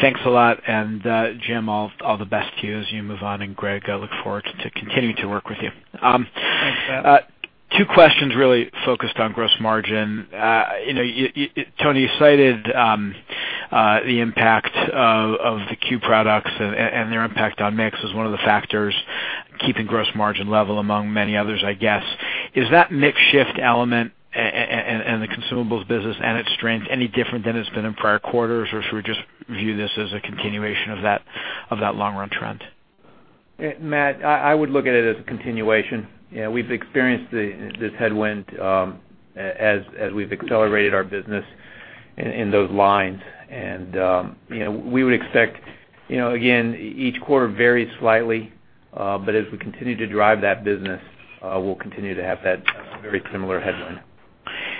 Thanks a lot. Jim, all the best to you as you move on. Greg, I look forward to continuing to work with you. Thanks, Matt. Two questions really focused on gross margin. Tony, you cited the impact of the CUE products and their impact on mix as one of the factors keeping gross margin level among many others, I guess. Is that mix shift element and the consumables business and its strength any different than it's been in prior quarters, or should we just view this as a continuation of that long run trend? Matt, I would look at it as a continuation. We've experienced this headwind as we've accelerated our business in those lines. We would expect, again, each quarter varies slightly, but as we continue to drive that business, we'll continue to have that very similar headwind.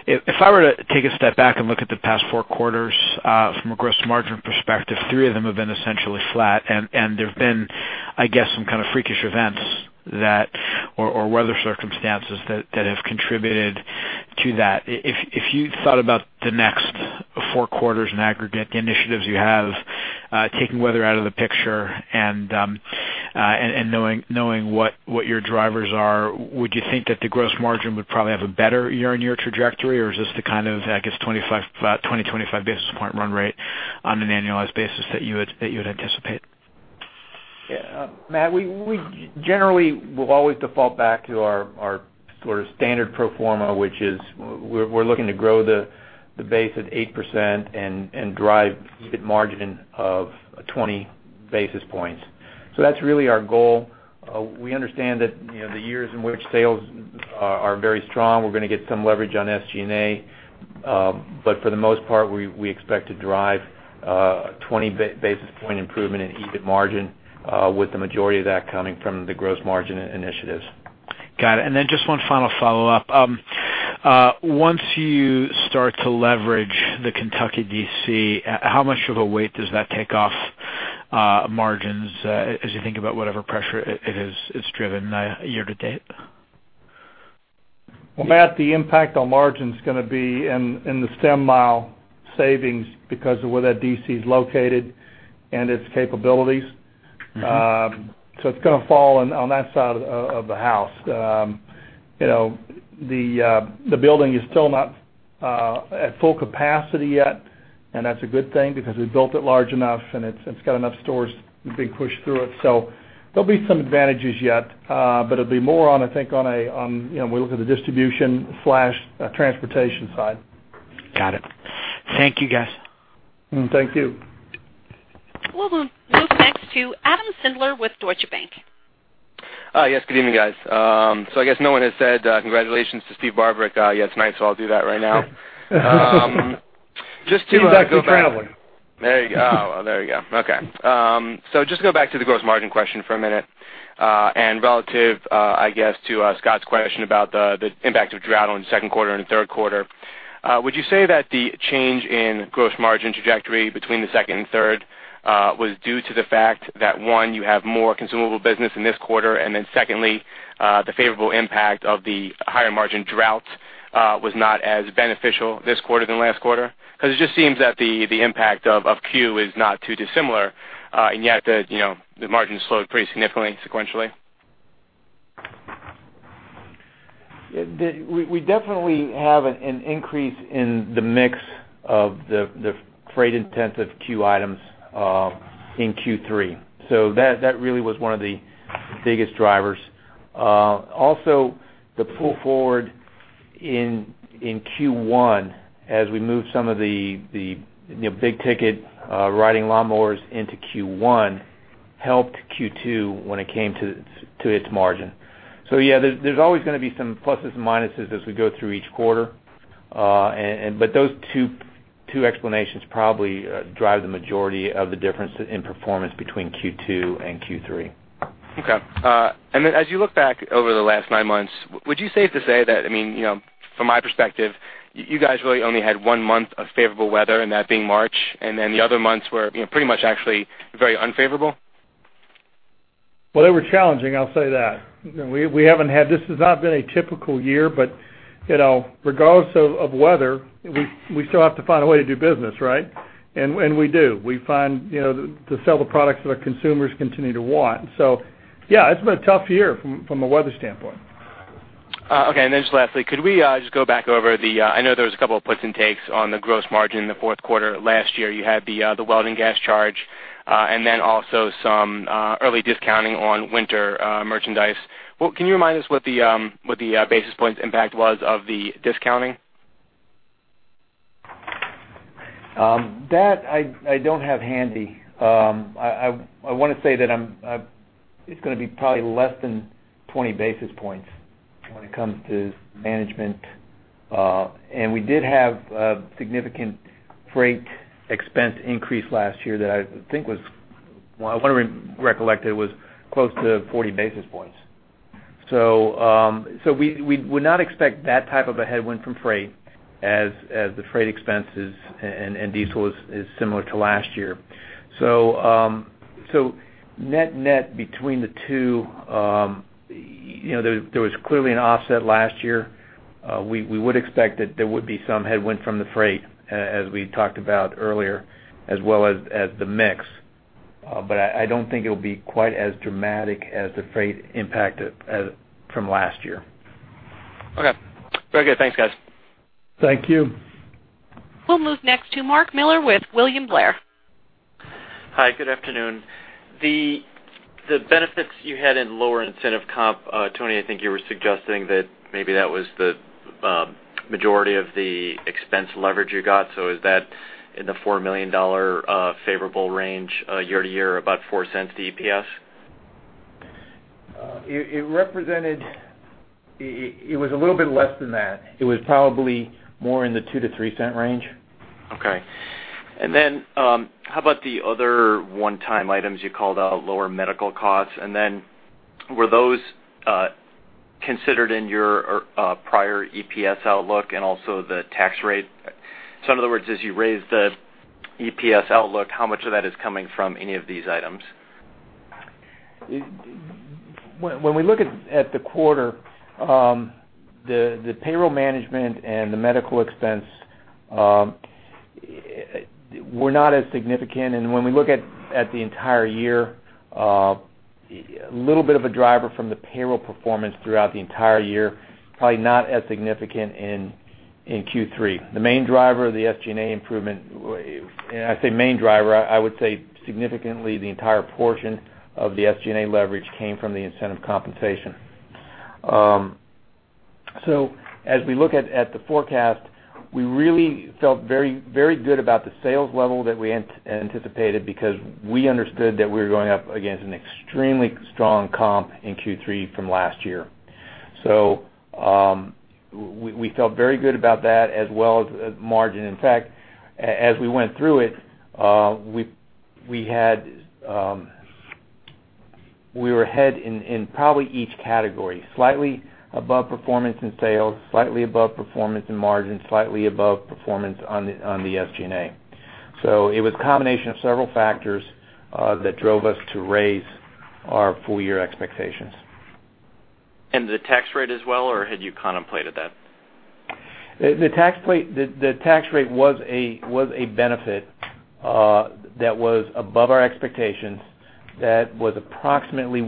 If I were to take a step back and look at the past four quarters from a gross margin perspective, three of them have been essentially flat, and there have been, I guess, some kind of freakish events or weather circumstances that have contributed to that. If you thought about the next four quarters in aggregate, the initiatives you have, taking weather out of the picture and knowing what your drivers are, would you think that the gross margin would probably have a better year-over-year trajectory? Or is this the kind of, I guess, 20-25 basis point run rate on an annualized basis that you would anticipate? Matt, we generally will always default back to our sort of standard pro forma, which is we're looking to grow the base at 8% and drive EBIT margin of 20 basis points. That's really our goal. We understand that the years in which sales are very strong, we're going to get some leverage on SG&A. For the most part, we expect to drive a 20-basis point improvement in EBIT margin with the majority of that coming from the gross margin initiatives. Got it. Just one final follow-up. Once you start to leverage the Kentucky DC, how much of a weight does that take off margins as you think about whatever pressure it has driven year-to-date? Well, Matt, the impact on margin is going to be in the stem mile savings because of where that DC is located and its capabilities. It's going to fall on that side of the house. The building is still not at full capacity yet, and that's a good thing because we built it large enough, and it's got enough stores being pushed through it. There'll be some advantages yet, but it'll be more on, I think on a, when we look at the distribution/transportation side. Got it. Thank you, guys. Thank you. We'll move next to Adam Sindler with Deutsche Bank. Yes, good evening, guys. I guess no one has said congratulations to Steve Barbarick yet tonight, so I'll do that right now. Just to go back- Impact of traveling. There you go. Okay. Just to go back to the gross margin question for a minute, and relative, I guess, to Scot's question about the impact of drought on the second quarter and the third quarter. Would you say that the change in gross margin trajectory between the second and third was due to the fact that, one, you have more consumable business in this quarter, and then secondly, the favorable impact of the higher margin drought was not as beneficial this quarter than last quarter? Because it just seems that the impact of CUE is not too dissimilar, and yet the margin slowed pretty significantly sequentially. We definitely have an increase in the mix of the freight-intensive Q items in Q3. That really was one of the biggest drivers. Also, the pull forward in Q1 as we moved some of the big-ticket riding lawnmowers into Q1 helped Q2 when it came to its margin. Yeah, there's always going to be some pluses and minuses as we go through each quarter. Those two explanations probably drive the majority of the difference in performance between Q2 and Q3. Okay. As you look back over the last nine months, would you say it's to say that, from my perspective, you guys really only had one month of favorable weather, and that being March, and then the other months were pretty much actually very unfavorable? Well, they were challenging, I'll say that. This has not been a typical year, but regardless of weather, we still have to find a way to do business, right? We do. We find to sell the products that our consumers continue to want. Yeah, it's been a tough year from a weather standpoint. Okay, just lastly, could we just go back over? I know there was a couple of puts and takes on the gross margin in the fourth quarter. Last year, you had the welding gas charge, and then also some early discounting on winter merchandise. Can you remind us what the basis points impact was of the discounting? That I don't have handy. I want to say that it's going to be probably less than 20 basis points when it comes to management. We did have a significant freight expense increase last year that I think was, I want to recollect, it was close to 40 basis points. We would not expect that type of a headwind from freight as the freight expenses and diesel is similar to last year. Net between the two, there was clearly an offset last year. We would expect that there would be some headwind from the freight, as we talked about earlier, as well as the mix. I don't think it'll be quite as dramatic as the freight impact from last year. Okay. Very good. Thanks, guys. Thank you. We'll move next to Mark Miller with William Blair. Hi, good afternoon. The benefits you had in lower incentive comp, Tony, I think you were suggesting that maybe that was the majority of the expense leverage you got. Is that in the $4 million favorable range year-to-year, about $0.04 to EPS? It was a little bit less than that. It was probably more in the $0.02-$0.03 range. Okay. How about the other one-time items you called out, lower medical costs? Were those considered in your prior EPS outlook and also the tax rate? In other words, as you raised the EPS outlook, how much of that is coming from any of these items? When we look at the quarter, the payroll management and the medical expense were not as significant. When we look at the entire year, little bit of a driver from the payroll performance throughout the entire year, probably not as significant in Q3. The main driver of the SG&A improvement, and I say main driver, I would say significantly the entire portion of the SG&A leverage came from the incentive compensation. As we look at the forecast, we really felt very good about the sales level that we anticipated because we understood that we were going up against an extremely strong comp in Q3 from last year. We felt very good about that as well as margin. In fact, as we went through it, we were ahead in probably each category. Slightly above performance in sales, slightly above performance in margin, slightly above performance on the SG&A. It was a combination of several factors that drove us to raise our full-year expectations. The tax rate as well, or had you contemplated that? The tax rate was a benefit that was above our expectations. That was approximately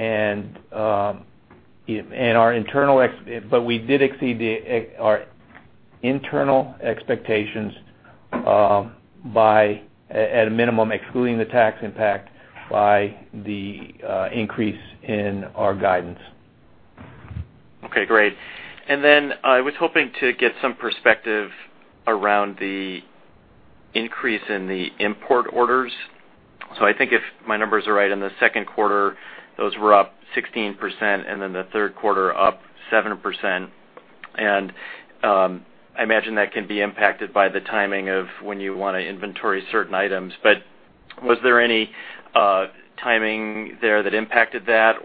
$0.01. We did exceed our internal expectations at a minimum, excluding the tax impact by the increase in our guidance. Okay, great. I was hoping to get some perspective around the increase in the import orders. I think if my numbers are right, in the second quarter, those were up 16%, then the third quarter up 7%. I imagine that can be impacted by the timing of when you want to inventory certain items. Was there any timing there that impacted that?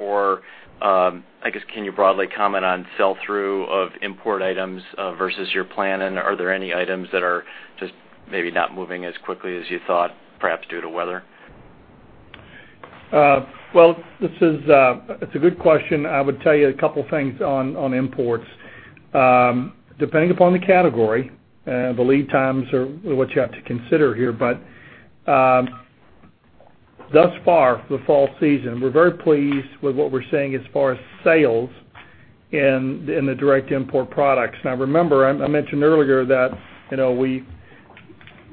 I guess, can you broadly comment on sell-through of import items versus your plan? Are there any items that are just maybe not moving as quickly as you thought, perhaps due to weather? Well, it's a good question. I would tell you a couple things on imports. Depending upon the category, the lead times are what you have to consider here. Thus far, the fall season, we're very pleased with what we're seeing as far as sales in the direct import products. Now, remember, I mentioned earlier that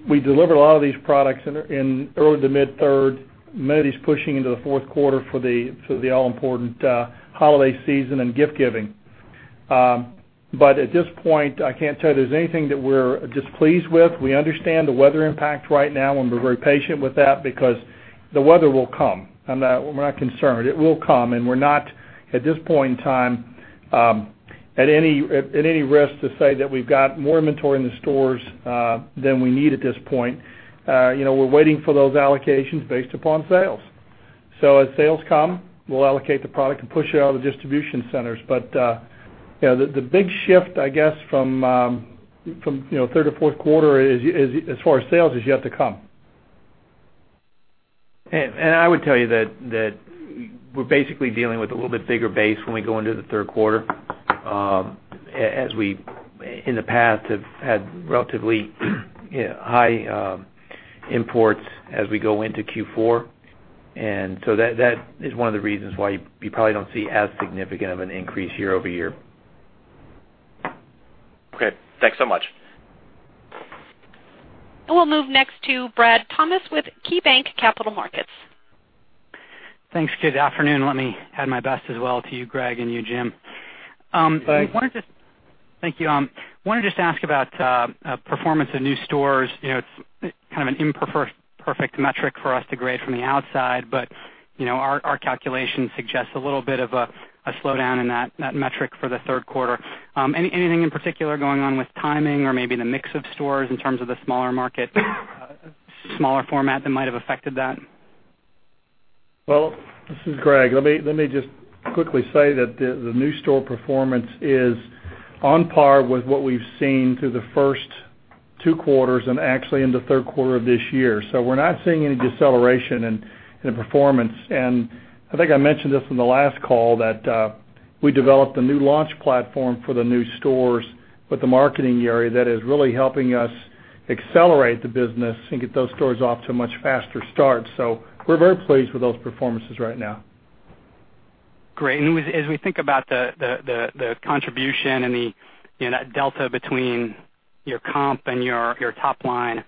we deliver a lot of these products in early to mid-third, maybe pushing into the fourth quarter for the all-important holiday season and gift-giving. At this point, I can't tell you there's anything that we're displeased with. We understand the weather impact right now, and we're very patient with that because the weather will come. We're not concerned. It will come, and we're not, at this point in time, at any risk to say that we've got more inventory in the stores than we need at this point. We're waiting for those allocations based upon sales. As sales come, we'll allocate the product and push it out of the distribution centers. The big shift, I guess, from third to fourth quarter as far as sales is yet to come. I would tell you that we're basically dealing with a little bit bigger base when we go into the third quarter, as we in the past have had relatively high imports as we go into Q4. That is one of the reasons why you probably don't see as significant of an increase year-over-year. Okay. Thanks so much. We'll move next to Brad Thomas with KeyBanc Capital Markets. Thanks. Good afternoon. Let me add my best as well to you, Greg, and you, Jim. Thanks. Thank you. I want to just ask about performance in new stores. It's kind of an imperfect metric for us to grade from the outside, but our calculation suggests a little bit of a slowdown in that metric for the third quarter. Anything in particular going on with timing or maybe in the mix of stores in terms of the smaller market, smaller format that might have affected that? Well, this is Greg. Let me just quickly say that the new store performance is on par with what we've seen through the first two quarters, and actually in the third quarter of this year. We're not seeing any deceleration in the performance. I think I mentioned this in the last call, that we developed a new launch platform for the new stores with the marketing area that is really helping us accelerate the business and get those stores off to a much faster start. We're very pleased with those performances right now. Great. As we think about the contribution and that delta between your comp and your top line,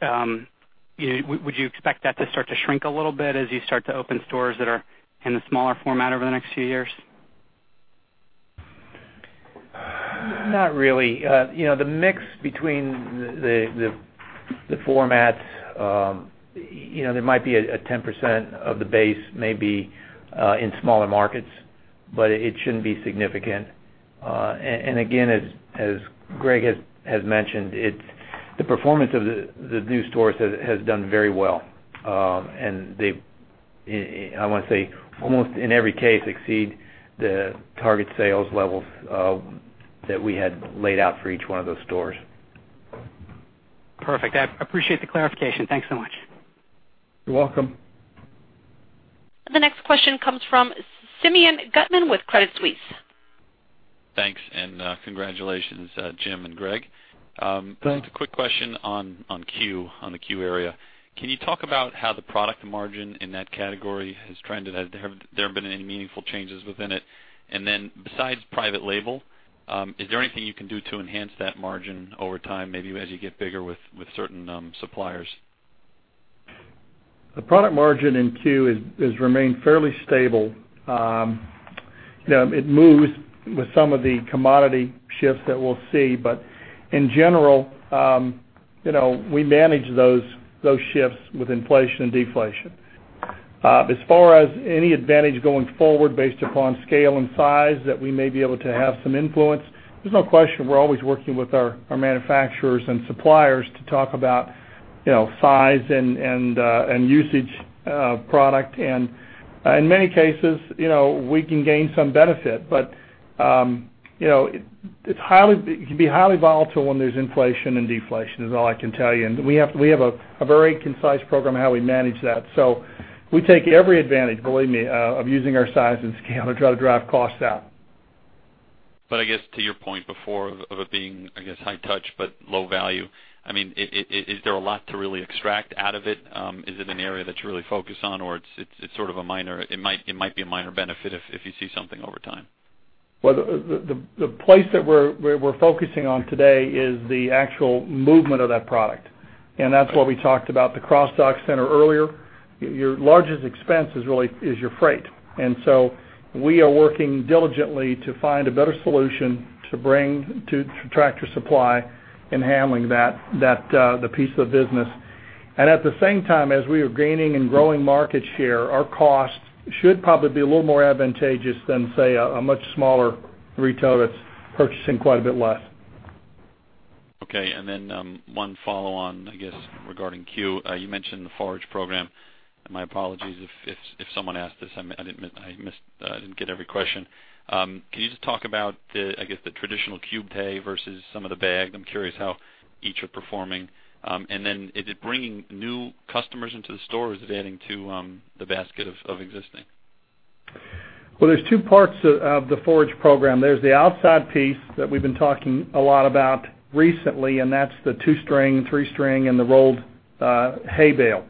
would you expect that to start to shrink a little bit as you start to open stores that are in the smaller format over the next few years? Not really. The mix between the formats, there might be a 10% of the base may be in smaller markets, but it shouldn't be significant. Again, as Greg has mentioned, the performance of the new stores has done very well. They, I want to say, almost in every case exceed the target sales levels that we had laid out for each one of those stores. Perfect. I appreciate the clarification. Thanks so much. You're welcome. The next question comes from Simeon Gutman with Credit Suisse. Thanks, congratulations, Jim and Greg. Thanks. A quick question on the CUE area. Can you talk about how the product margin in that category has trended? Have there been any meaningful changes within it? Besides private label, is there anything you can do to enhance that margin over time, maybe as you get bigger with certain suppliers? The product margin in Q has remained fairly stable. It moves with some of the commodity shifts that we'll see, but in general, we manage those shifts with inflation and deflation. As far as any advantage going forward based upon scale and size that we may be able to have some influence, there's no question we're always working with our manufacturers and suppliers to talk about size and usage of product. In many cases, we can gain some benefit. It can be highly volatile when there's inflation and deflation, is all I can tell you. We have a very concise program how we manage that. We take every advantage, believe me, of using our size and scale to try to drive costs out. I guess to your point before of it being, I guess, high touch but low value, is there a lot to really extract out of it? Is it an area that you really focus on, or it might be a minor benefit if you see something over time? Well, the place that we're focusing on today is the actual movement of that product. That's what we talked about the cross-dock center earlier. Your largest expense is your freight. We are working diligently to find a better solution to bring to Tractor Supply in handling the piece of business. At the same time, as we are gaining and growing market share, our cost should probably be a little more advantageous than, say, a much smaller retail that's purchasing quite a bit less. Okay, then one follow-on, I guess, regarding Q. You mentioned the Forage program. My apologies if someone asked this, I didn't get every question. Can you just talk about the, I guess, the traditional cubed hay versus some of the bagged? I'm curious how each are performing. Then is it bringing new customers into the store, or is it adding to the basket of existing? Well, there's two parts of the Forage program. There's the outside piece that we've been talking a lot about recently. That's the two-string, three-string, and the rolled hay bale.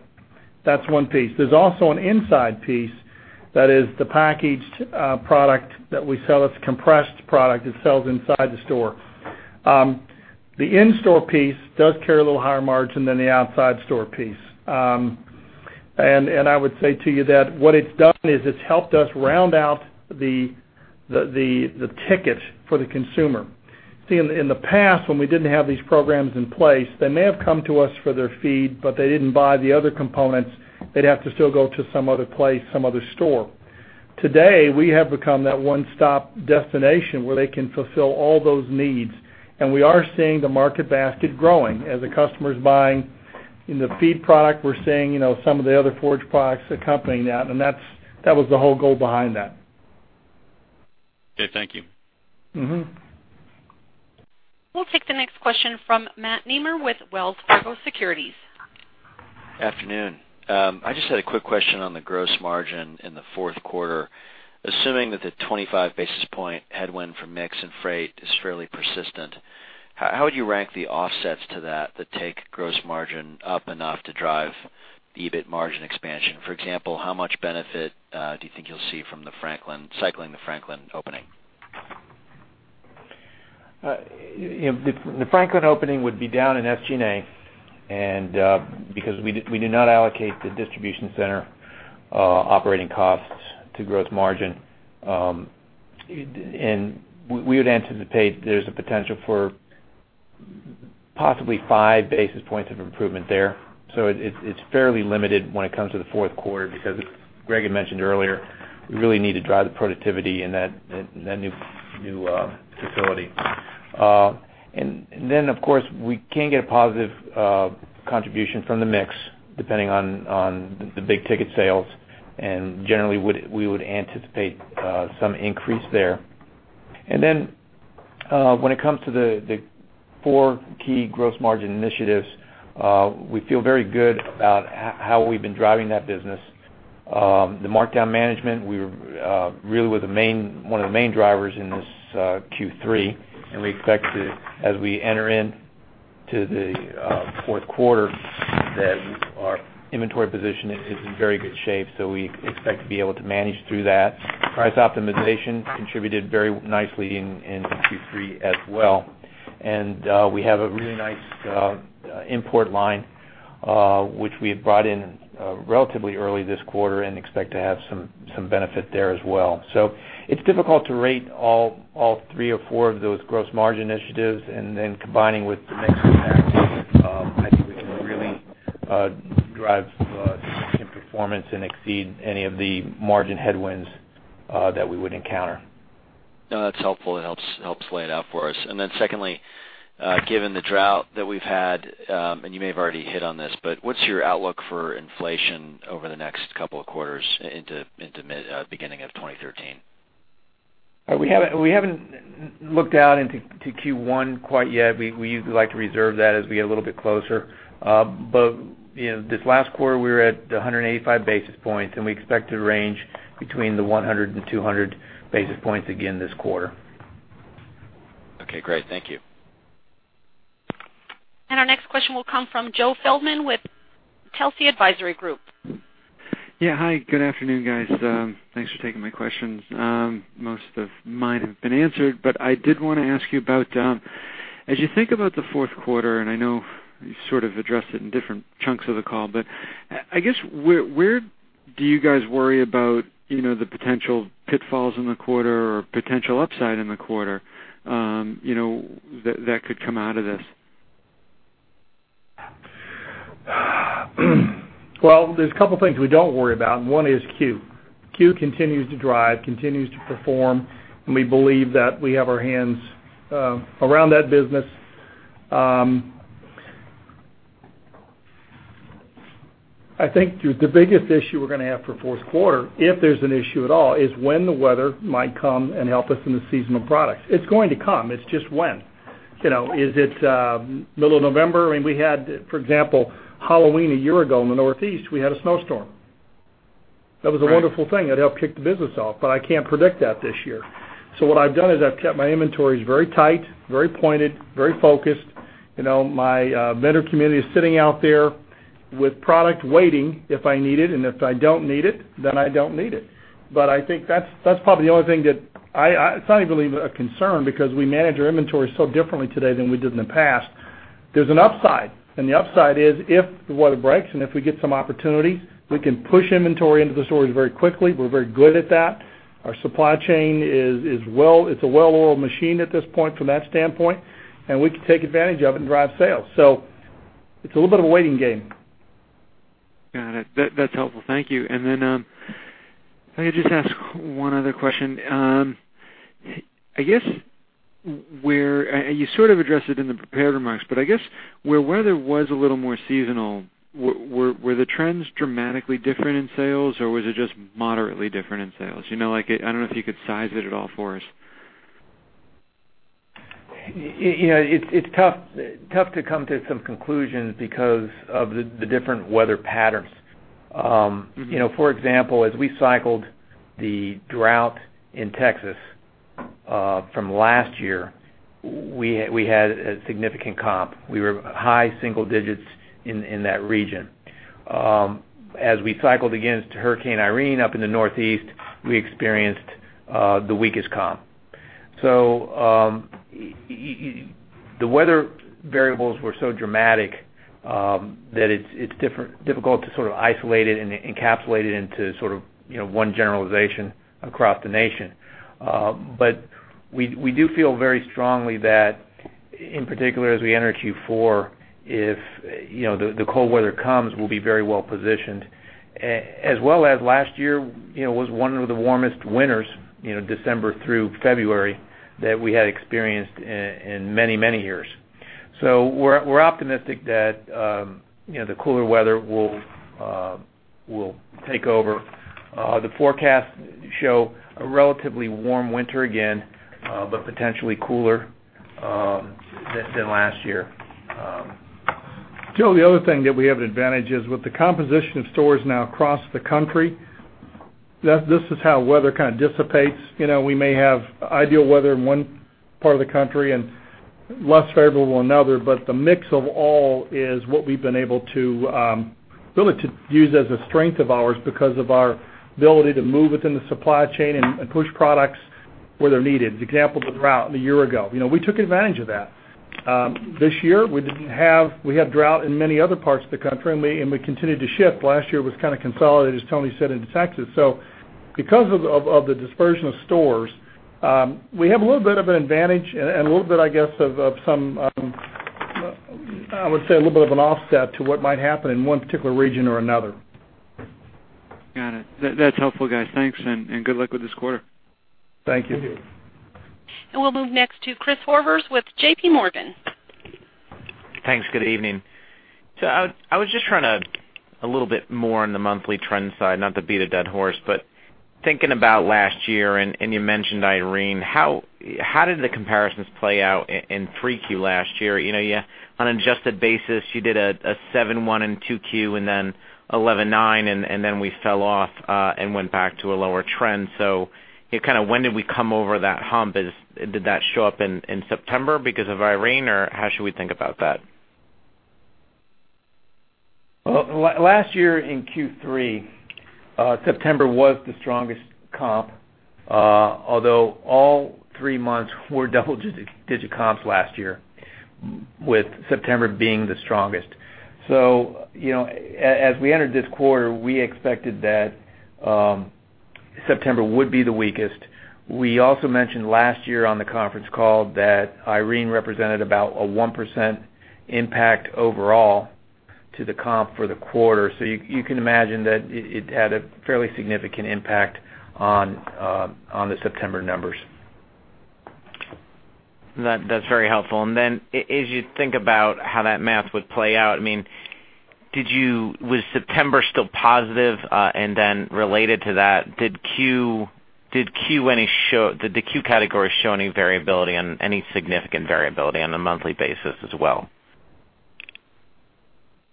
That's one piece. There's also an inside piece that is the packaged product that we sell. It's a compressed product that sells inside the store. The in-store piece does carry a little higher margin than the outside store piece. I would say to you that what it's done is it's helped us round out the ticket for the consumer. See, in the past when we didn't have these programs in place, they may have come to us for their feed, but they didn't buy the other components. They'd have to still go to some other place, some other store. Today, we have become that one-stop destination where they can fulfill all those needs. We are seeing the market basket growing as the customer's buying the feed product. We're seeing some of the other Forage products accompanying that. That was the whole goal behind that. Okay, thank you. We'll take the next question from Matthew Nemer with Wells Fargo Securities. Afternoon. I just had a quick question on the gross margin in the fourth quarter. Assuming that the 25 basis point headwind from mix and freight is fairly persistent, how would you rank the offsets to that take gross margin up enough to drive the EBIT margin expansion? For example, how much benefit do you think you'll see from cycling the Franklin opening? Because we do not allocate the distribution center operating costs to gross margin. We would anticipate there's a potential for possibly five basis points of improvement there. So it's fairly limited when it comes to the fourth quarter because as Greg had mentioned earlier, we really need to drive the productivity in that new facility. Of course, we can get a positive contribution from the mix depending on the big-ticket sales, and generally, we would anticipate some increase there. When it comes to the four key gross margin initiatives, we feel very good about how we've been driving that business. The markdown management, we really were one of the main drivers in this Q3. We expect as we enter into the fourth quarter that our inventory position is in very good shape, so we expect to be able to manage through that. Price optimization contributed very nicely in Q3 as well. We have a really nice import line, which we had brought in relatively early this quarter and expect to have some benefit there as well. It's difficult to rate all three or four of those gross margin initiatives. Combining with the mix impact, I think we can really drive significant performance and exceed any of the margin headwinds that we would encounter. No, that's helpful. It helps lay it out for us. Secondly, given the drought that we've had, and you may have already hit on this, what's your outlook for inflation over the next couple of quarters into the beginning of 2023? We haven't looked out into Q1 quite yet. We usually like to reserve that as we get a little bit closer. This last quarter, we were at the 185 basis points. We expect to range between the 100 and 200 basis points again this quarter. Okay, great. Thank you. Our next question will come from Joe Feldman with Telsey Advisory Group. Yeah. Hi, good afternoon, guys. Thanks for taking my questions. Most of mine have been answered, but I did want to ask you about, as you think about the fourth quarter, I know you sort of addressed it in different chunks of the call, but I guess, where do you guys worry about the potential pitfalls in the quarter or potential upside in the quarter that could come out of this? There's a couple things we don't worry about, one is CUE. CUE continues to drive, continues to perform, and we believe that we have our hands around that business. I think the biggest issue we're going to have for fourth quarter, if there's an issue at all, is when the weather might come and help us in the seasonal products. It's going to come. It's just when. Is it middle of November? For example, Halloween a year ago in the Northeast, we had a snowstorm. Right. That was a wonderful thing. It helped kick the business off, I can't predict that this year. What I've done is I've kept my inventories very tight, very pointed, very focused. My vendor community is sitting out there with product waiting if I need it, and if I don't need it, then I don't need it. I think that's probably the only thing that it's not even really a concern because we manage our inventory so differently today than we did in the past. There's an upside, the upside is if the weather breaks and if we get some opportunities, we can push inventory into the stores very quickly. We're very good at that. Our supply chain is a well-oiled machine at this point from that standpoint, we can take advantage of it and drive sales. It's a little bit of a waiting game. Got it. That's helpful. Thank you. Then if I could just ask one other question. You sort of addressed it in the prepared remarks, but I guess where weather was a little more seasonal, were the trends dramatically different in sales, or was it just moderately different in sales? I don't know if you could size it at all for us. It's tough to come to some conclusions because of the different weather patterns. For example, as we cycled the drought in Texas from last year, we had a significant comp. We were high single digits in that region. As we cycled against Hurricane Irene up in the Northeast, we experienced the weakest comp. The weather variables were so dramatic that it's difficult to sort of isolate it and encapsulate it into one generalization across the nation. We do feel very strongly that, in particular, as we enter Q4, if the cold weather comes, we'll be very well-positioned. As well as last year, was one of the warmest winters, December through February, that we had experienced in many, many years. We're optimistic that the cooler weather will take over. The forecasts show a relatively warm winter again, but potentially cooler than last year. Joe, the other thing that we have an advantage is with the composition of stores now across the country, this is how weather kind of dissipates. We may have ideal weather in one part of the country and less favorable in another, but the mix of all is what we've been able to really use as a strength of ours because of our ability to move within the supply chain and push products where they're needed. The example of the drought a year ago. We took advantage of that. This year, we had drought in many other parts of the country, and we continued to ship. Last year was kind of consolidated, as Tony said, into Texas. Because of the dispersion of stores, we have a little bit of an advantage and a little bit, I guess, of some, I would say a little bit of an offset to what might happen in one particular region or another. Got it. That's helpful, guys. Thanks. Good luck with this quarter. Thank you. Thank you. We'll move next to Chris Horvers with JPMorgan. Thanks. Good evening. I was just trying a little bit more on the monthly trends side. Not to beat a dead horse, but thinking about last year, and you mentioned Irene, how did the comparisons play out in Q3 last year? On an adjusted basis, you did a 7.1% in Q2 and then 11.9%, and then we fell off and went back to a lower trend. When did we come over that hump? Did that show up in September because of Irene, or how should we think about that? Well, last year in Q3, September was the strongest comp. Although all three months were double-digit comps last year, with September being the strongest. As we entered this quarter, we expected that September would be the weakest. We also mentioned last year on the conference call that Irene represented about a 1% impact overall to the comp for the quarter. You can imagine that it had a fairly significant impact on the September numbers. That's very helpful. As you think about how that math would play out, was September still positive? Related to that, did the CUE category show any variability, any significant variability on a monthly basis as well?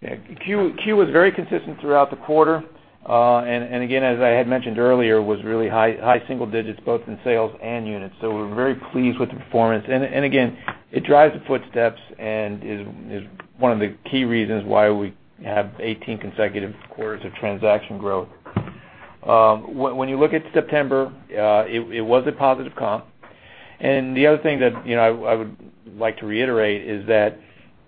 Yeah. Q was very consistent throughout the quarter. Again, as I had mentioned earlier, it was really high single digits both in sales and units. We're very pleased with the performance. Again, it drives the footsteps and is one of the key reasons why we have 18 consecutive quarters of transaction growth. When you look at September, it was a positive comp. The other thing that I would like to reiterate is that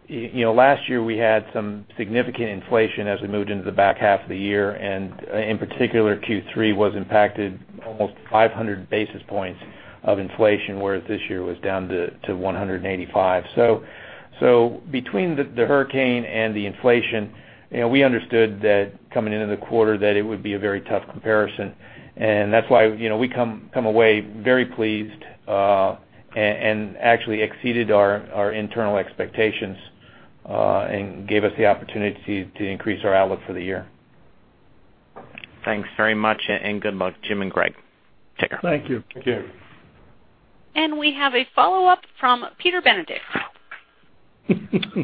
last year we had some significant inflation as we moved into the back half of the year, and in particular, Q3 was impacted almost 500 basis points of inflation, whereas this year it was down to 185. Between the hurricane and the inflation, we understood that coming into the quarter that it would be a very tough comparison. That's why we come away very pleased and actually exceeded our internal expectations and gave us the opportunity to increase our outlook for the year. Thanks very much. Good luck, Jim and Greg. Take care. Thank you. Thank you. We have a follow-up from Peter Benedict.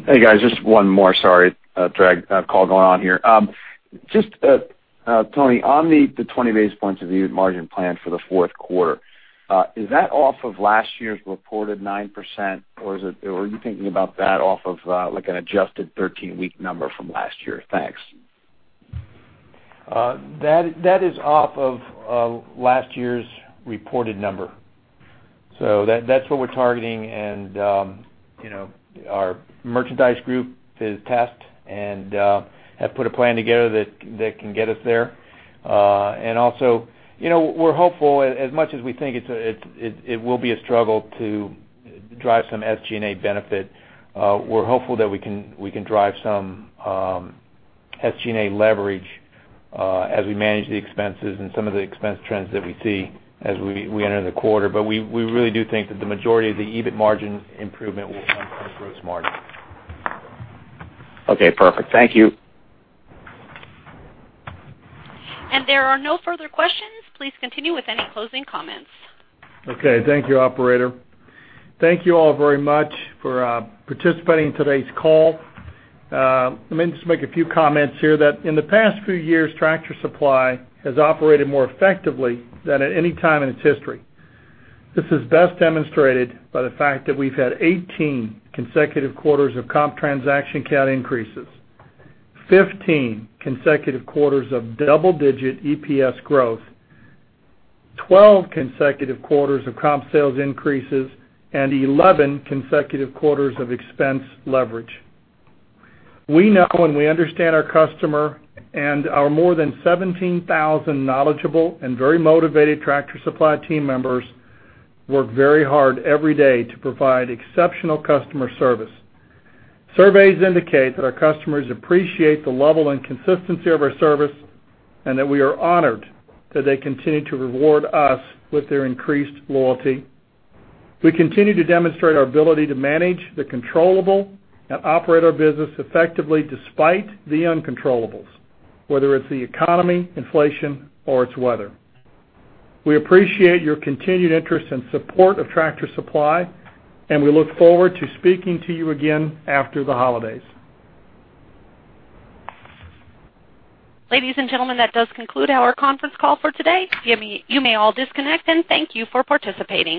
Hey, guys. Just one more. Sorry to drag. Call going on here. Just, Tony, on the 20 basis points of the EBIT margin plan for the fourth quarter, is that off of last year's reported 9%, or were you thinking about that off of an adjusted 13-week number from last year? Thanks. That is off of last year's reported number. That's what we're targeting, and our merchandise group has tested and has put a plan together that can get us there. Also, we're hopeful, as much as we think it will be a struggle to drive some SG&A benefit, we're hopeful that we can drive some SG&A leverage as we manage the expenses and some of the expense trends that we see as we enter the quarter. We really do think that the majority of the EBIT margin improvement will come from gross margin. Okay, perfect. Thank you. There are no further questions. Please continue with any closing comments. Okay. Thank you, operator. Thank you all very much for participating in today's call. Let me just make a few comments here that in the past few years, Tractor Supply has operated more effectively than at any time in its history. This is best demonstrated by the fact that we've had 18 consecutive quarters of comp transaction count increases, 15 consecutive quarters of double-digit EPS growth, 12 consecutive quarters of comp sales increases, and 11 consecutive quarters of expense leverage. We know and we understand our customer, and our more than 17,000 knowledgeable and very motivated Tractor Supply team members work very hard every day to provide exceptional customer service. Surveys indicate that our customers appreciate the level and consistency of our service, and that we are honored that they continue to reward us with their increased loyalty. We continue to demonstrate our ability to manage the controllable and operate our business effectively despite the uncontrollables, whether it's the economy, inflation, or it's weather. We appreciate your continued interest and support of Tractor Supply, and we look forward to speaking to you again after the holidays. Ladies and gentlemen, that does conclude our conference call for today. You may all disconnect, and thank you for participating.